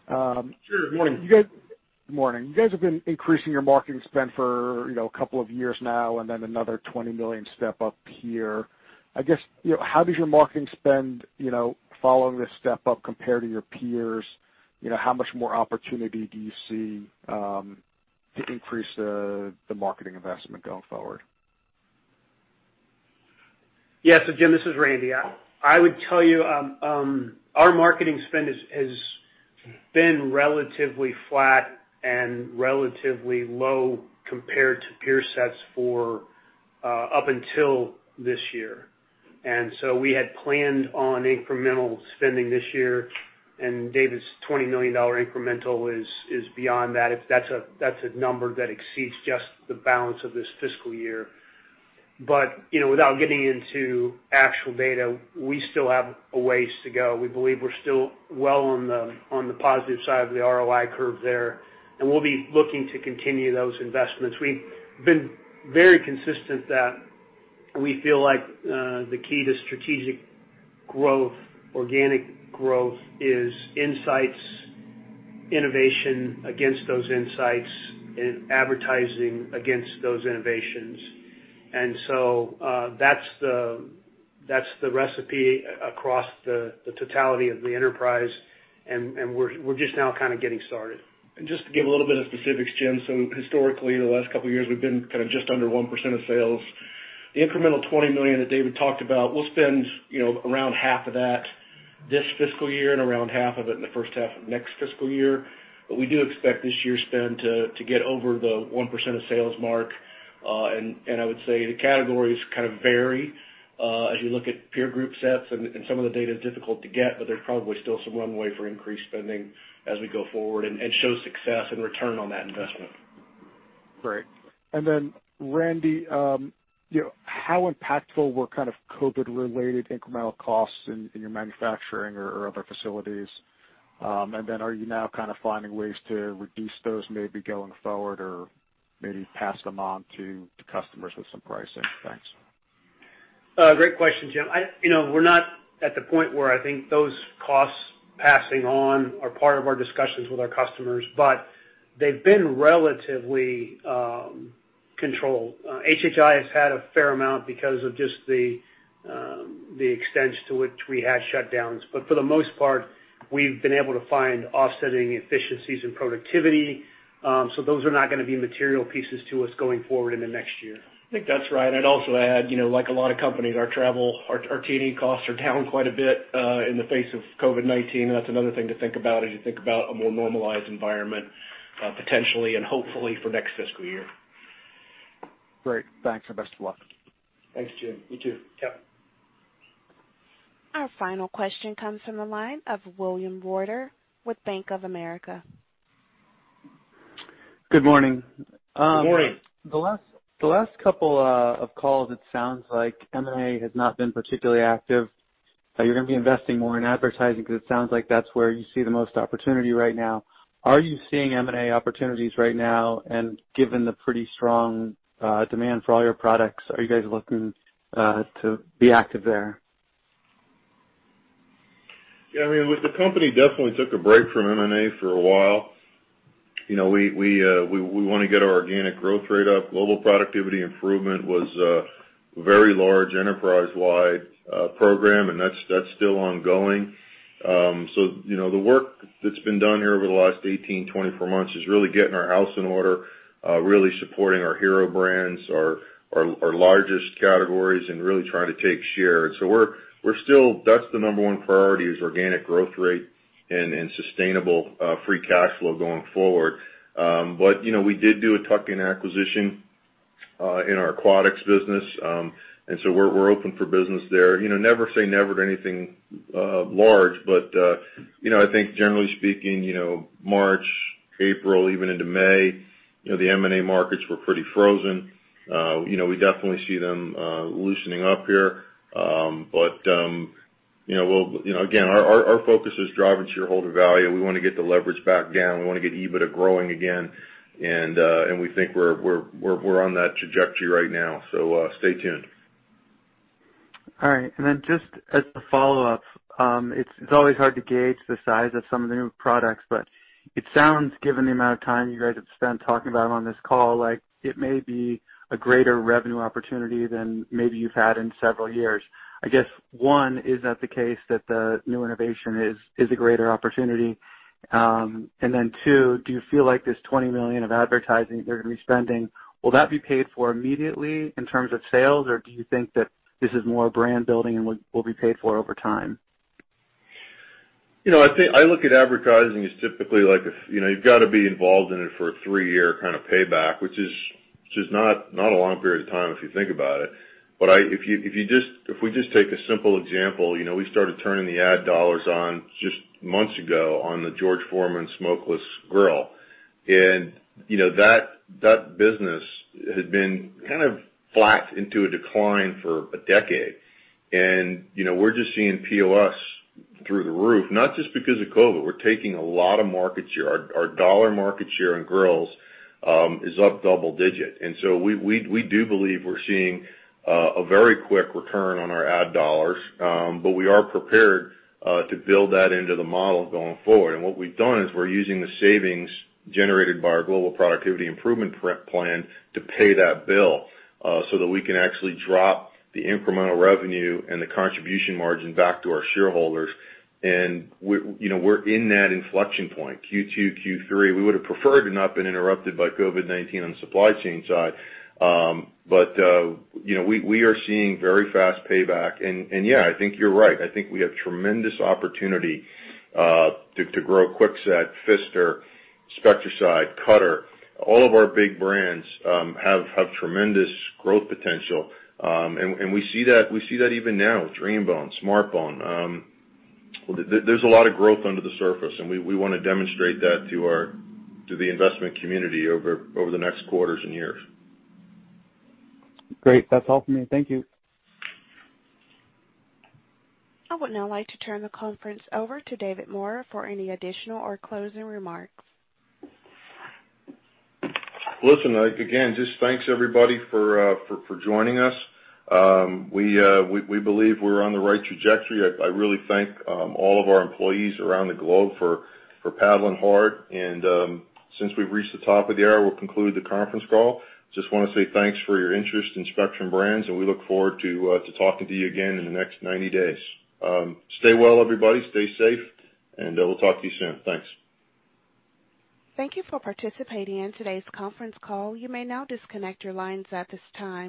[SPEAKER 3] Sure.
[SPEAKER 11] Morning. You guys have been increasing your marketing spend for a couple of years now, and then another $20 million step up here. I guess, how does your marketing spend following this step up compare to your peers? How much more opportunity do you see to increase the marketing investment going forward?
[SPEAKER 5] Yes. Jim, this is Randy. I would tell you our marketing spend has been relatively flat and relatively low compared to peer sets for up until this year. We had planned on incremental spending this year, and David's $20 million incremental is beyond that. That's a number that exceeds just the balance of this fiscal year. Without getting into actual data, we still have a ways to go. We believe we're still well on the positive side of the ROI curve there, and we'll be looking to continue those investments. We've been very consistent that we feel like the key to strategic growth, organic growth, is insights, innovation against those insights, and advertising against those innovations. That's the recipe across the totality of the enterprise, and we're just now kind of getting started.
[SPEAKER 4] Just to give a little bit of specifics, Jim, historically, in the last couple of years, we've been kind of just under 1% of sales. The incremental $20 million that David talked about, we'll spend around half of that this fiscal year and around half of it in the first half of next fiscal year. We do expect this year's spend to get over the 1% of sales mark. I would say the categories kind of vary. As you look at peer group sets and some of the data is difficult to get, there's probably still some runway for increased spending as we go forward and show success and return on that investment.
[SPEAKER 11] Great. Randy, how impactful were kind of COVID-related incremental costs in your manufacturing or other facilities? Are you now kind of finding ways to reduce those maybe going forward or maybe pass them on to customers with some pricing? Thanks.
[SPEAKER 5] Great question, Jim. We're not at the point where I think those costs passing on are part of our discussions with our customers. They've been relatively controlled. HHI has had a fair amount because of just the extents to which we had shutdowns. For the most part, we've been able to find offsetting efficiencies in productivity. Those are not going to be material pieces to us going forward in the next year.
[SPEAKER 4] I think that's right. I'd also add, like a lot of companies, our travel, our T&E costs are down quite a bit in the face of COVID-19. That's another thing to think about as you think about a more normalized environment, potentially and hopefully for next fiscal year.
[SPEAKER 11] Great. Thanks, and best of luck.
[SPEAKER 5] Thanks, Jim. You too.
[SPEAKER 4] Yep.
[SPEAKER 1] Our final question comes from the line of William Reuter with Bank of America.
[SPEAKER 12] Good morning.
[SPEAKER 3] Good morning.
[SPEAKER 12] The last couple of calls, it sounds like M&A has not been particularly active. You're going to be investing more in advertising because it sounds like that's where you see the most opportunity right now. Are you seeing M&A opportunities right now? Given the pretty strong demand for all your products, are you guys looking to be active there?
[SPEAKER 3] Yeah, I mean, the company definitely took a break from M&A for a while. We want to get our organic growth rate up. Global Productivity Improvement Plan was a very large enterprise-wide program, that's still ongoing. The work that's been done here over the last 18, 24 months is really getting our house in order, really supporting our hero brands, our largest categories, and really trying to take share. That's the number one priority is organic growth rate and sustainable free cash flow going forward. We did do a tuck-in acquisition in our aquatics business. We're open for business there. Never say never to anything large, I think generally speaking March, April, even into May, the M&A markets were pretty frozen. We definitely see them loosening up here. Again, our focus is driving shareholder value. We want to get the leverage back down. We want to get EBITDA growing again. We think we're on that trajectory right now. Stay tuned.
[SPEAKER 12] All right. Just as a follow-up. It's always hard to gauge the size of some of the new products, but it sounds, given the amount of time you guys have spent talking about them on this call, like it may be a greater revenue opportunity than maybe you've had in several years. I guess, one, is that the case that the new innovation is a greater opportunity? Two, do you feel like this $20 million of advertising that you're going to be spending, will that be paid for immediately in terms of sales, or do you think that this is more brand building and will be paid for over time?
[SPEAKER 3] I look at advertising as typically like if you've got to be involved in it for a three-year kind of payback, which is not a long period of time if you think about it. If we just take a simple example, we started turning the ad dollars on just months ago on the George Foreman Smokeless Grill. That business had been kind of flat into a decline for a decade. We're just seeing POS through the roof, not just because of COVID. We're taking a lot of market share. Our dollar market share in grills is up double-digit. We do believe we're seeing a very quick return on our ad dollars, but we are prepared to build that into the model going forward. What we've done is we're using the savings generated by our Global Productivity Improvement Plan to pay that bill so that we can actually drop the incremental revenue and the contribution margin back to our shareholders. We're in that inflection point, Q2, Q3. We would've preferred to not been interrupted by COVID-19 on the supply chain side. We are seeing very fast payback. Yeah, I think you're right. I think we have tremendous opportunity to grow Kwikset, Pfister, Spectracide, Cutter. All of our big brands have tremendous growth potential. We see that even now with DreamBone, SmartBones. There's a lot of growth under the surface, and we want to demonstrate that to the investment community over the next quarters and years.
[SPEAKER 12] Great. That's all for me. Thank you.
[SPEAKER 1] I would now like to turn the conference over to David Maura for any additional or closing remarks.
[SPEAKER 3] Listen, again, just thanks everybody for joining us. We believe we're on the right trajectory. I really thank all of our employees around the globe for paddling hard. Since we've reached the top of the hour, we'll conclude the conference call. Just want to say thanks for your interest in Spectrum Brands, and we look forward to talking to you again in the next 90 days. Stay well, everybody. Stay safe, and we'll talk to you soon. Thanks.
[SPEAKER 1] Thank you for participating in today's conference call. You may now disconnect your lines at this time.